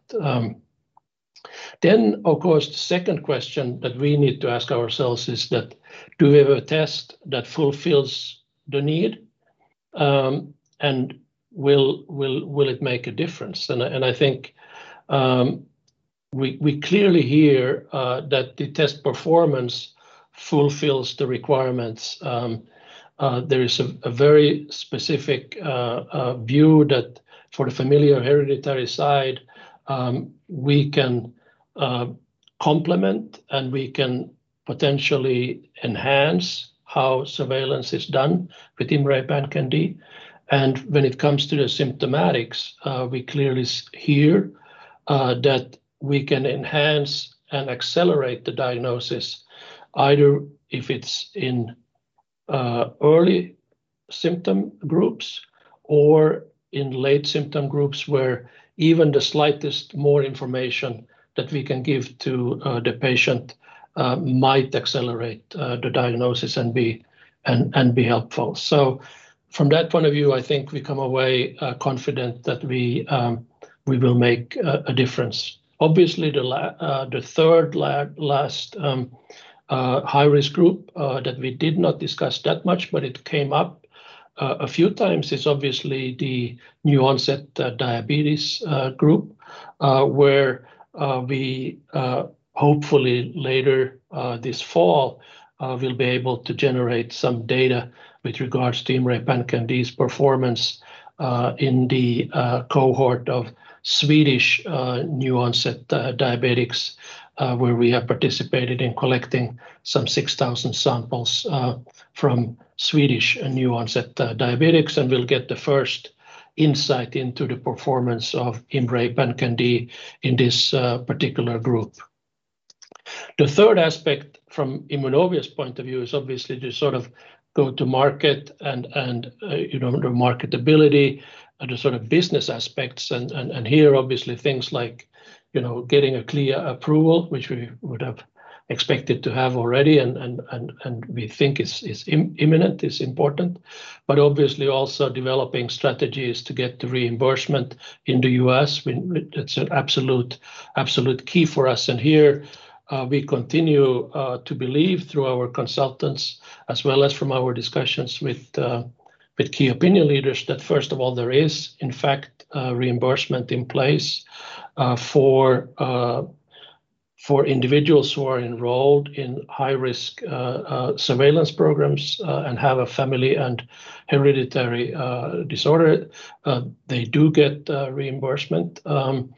A: Of course, the second question that we need to ask ourselves is that do we have a test that fulfills the need, and will it make a difference? I think we clearly hear that the test performance fulfills the requirements. There is a very specific view that for the familial hereditary side, we can complement, and we can potentially enhance how surveillance is done with IMMray PanCan-d. When it comes to the symptomatics, we clearly hear that we can enhance and accelerate the diagnosis, either if it's in early symptom groups or in late symptom groups where even the slightest more information that we can give to the patient might accelerate the diagnosis and be helpful. From that point of view, I think we come away confident that we will make a difference. The 3rd last high-risk group that we did not discuss that much, but it came up a few times, is obviously the new-onset diabetes group, where we hopefully later this fall will be able to generate some data with regards to IMMray PanCan-d's performance in the cohort of Swedish new-onset diabetics, where we have participated in collecting some 6,000 samples from Swedish new-onset diabetics, and we will get the first insight into the performance of IMMray PanCan-d in this particular group. The 3rd aspect from Immunovia's point of view is obviously the go to market and the marketability and the business aspects. Here, obviously things like getting a clear approval, which we would have expected to have already and we think is imminent, is important. Obviously also developing strategies to get the reimbursement in the U.S., it's an absolute key for us. Here we continue to believe through our consultants as well as from our discussions with key opinion leaders that first of all, there is, in fact, reimbursement in place for individuals who are enrolled in high-risk surveillance programs and have a family and hereditary disorder. They do get reimbursement and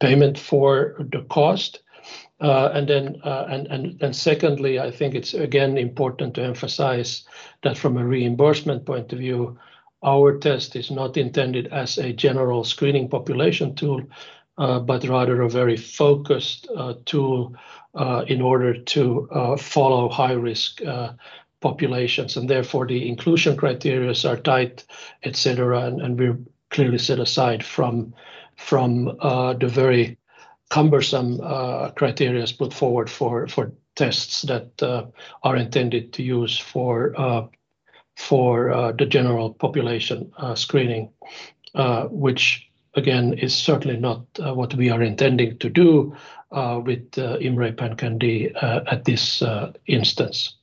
A: payment for the cost. Secondly, I think it's again important to emphasize that from a reimbursement point of view, our test is not intended as a general screening population tool, but rather a very focused tool in order to follow high-risk populations. Therefore, the inclusion criterias are tight, et cetera, and we're clearly set aside from the very cumbersome criterias put forward for tests that are intended to use for the general population screening, which again, is certainly not what we are intending to do with IMMray PanCan-d at this instance.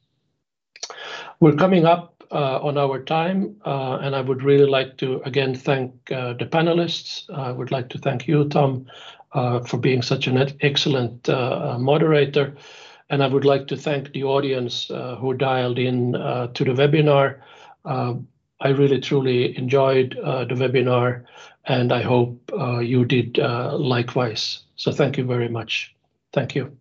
A: We're coming up on our time. I would really like to again thank the panelists. I would like to thank you, Tom, for being such an excellent moderator, and I would like to thank the audience who dialed in to the webinar. I really, truly enjoyed the webinar, and I hope you did likewise. Thank you very much. Thank you.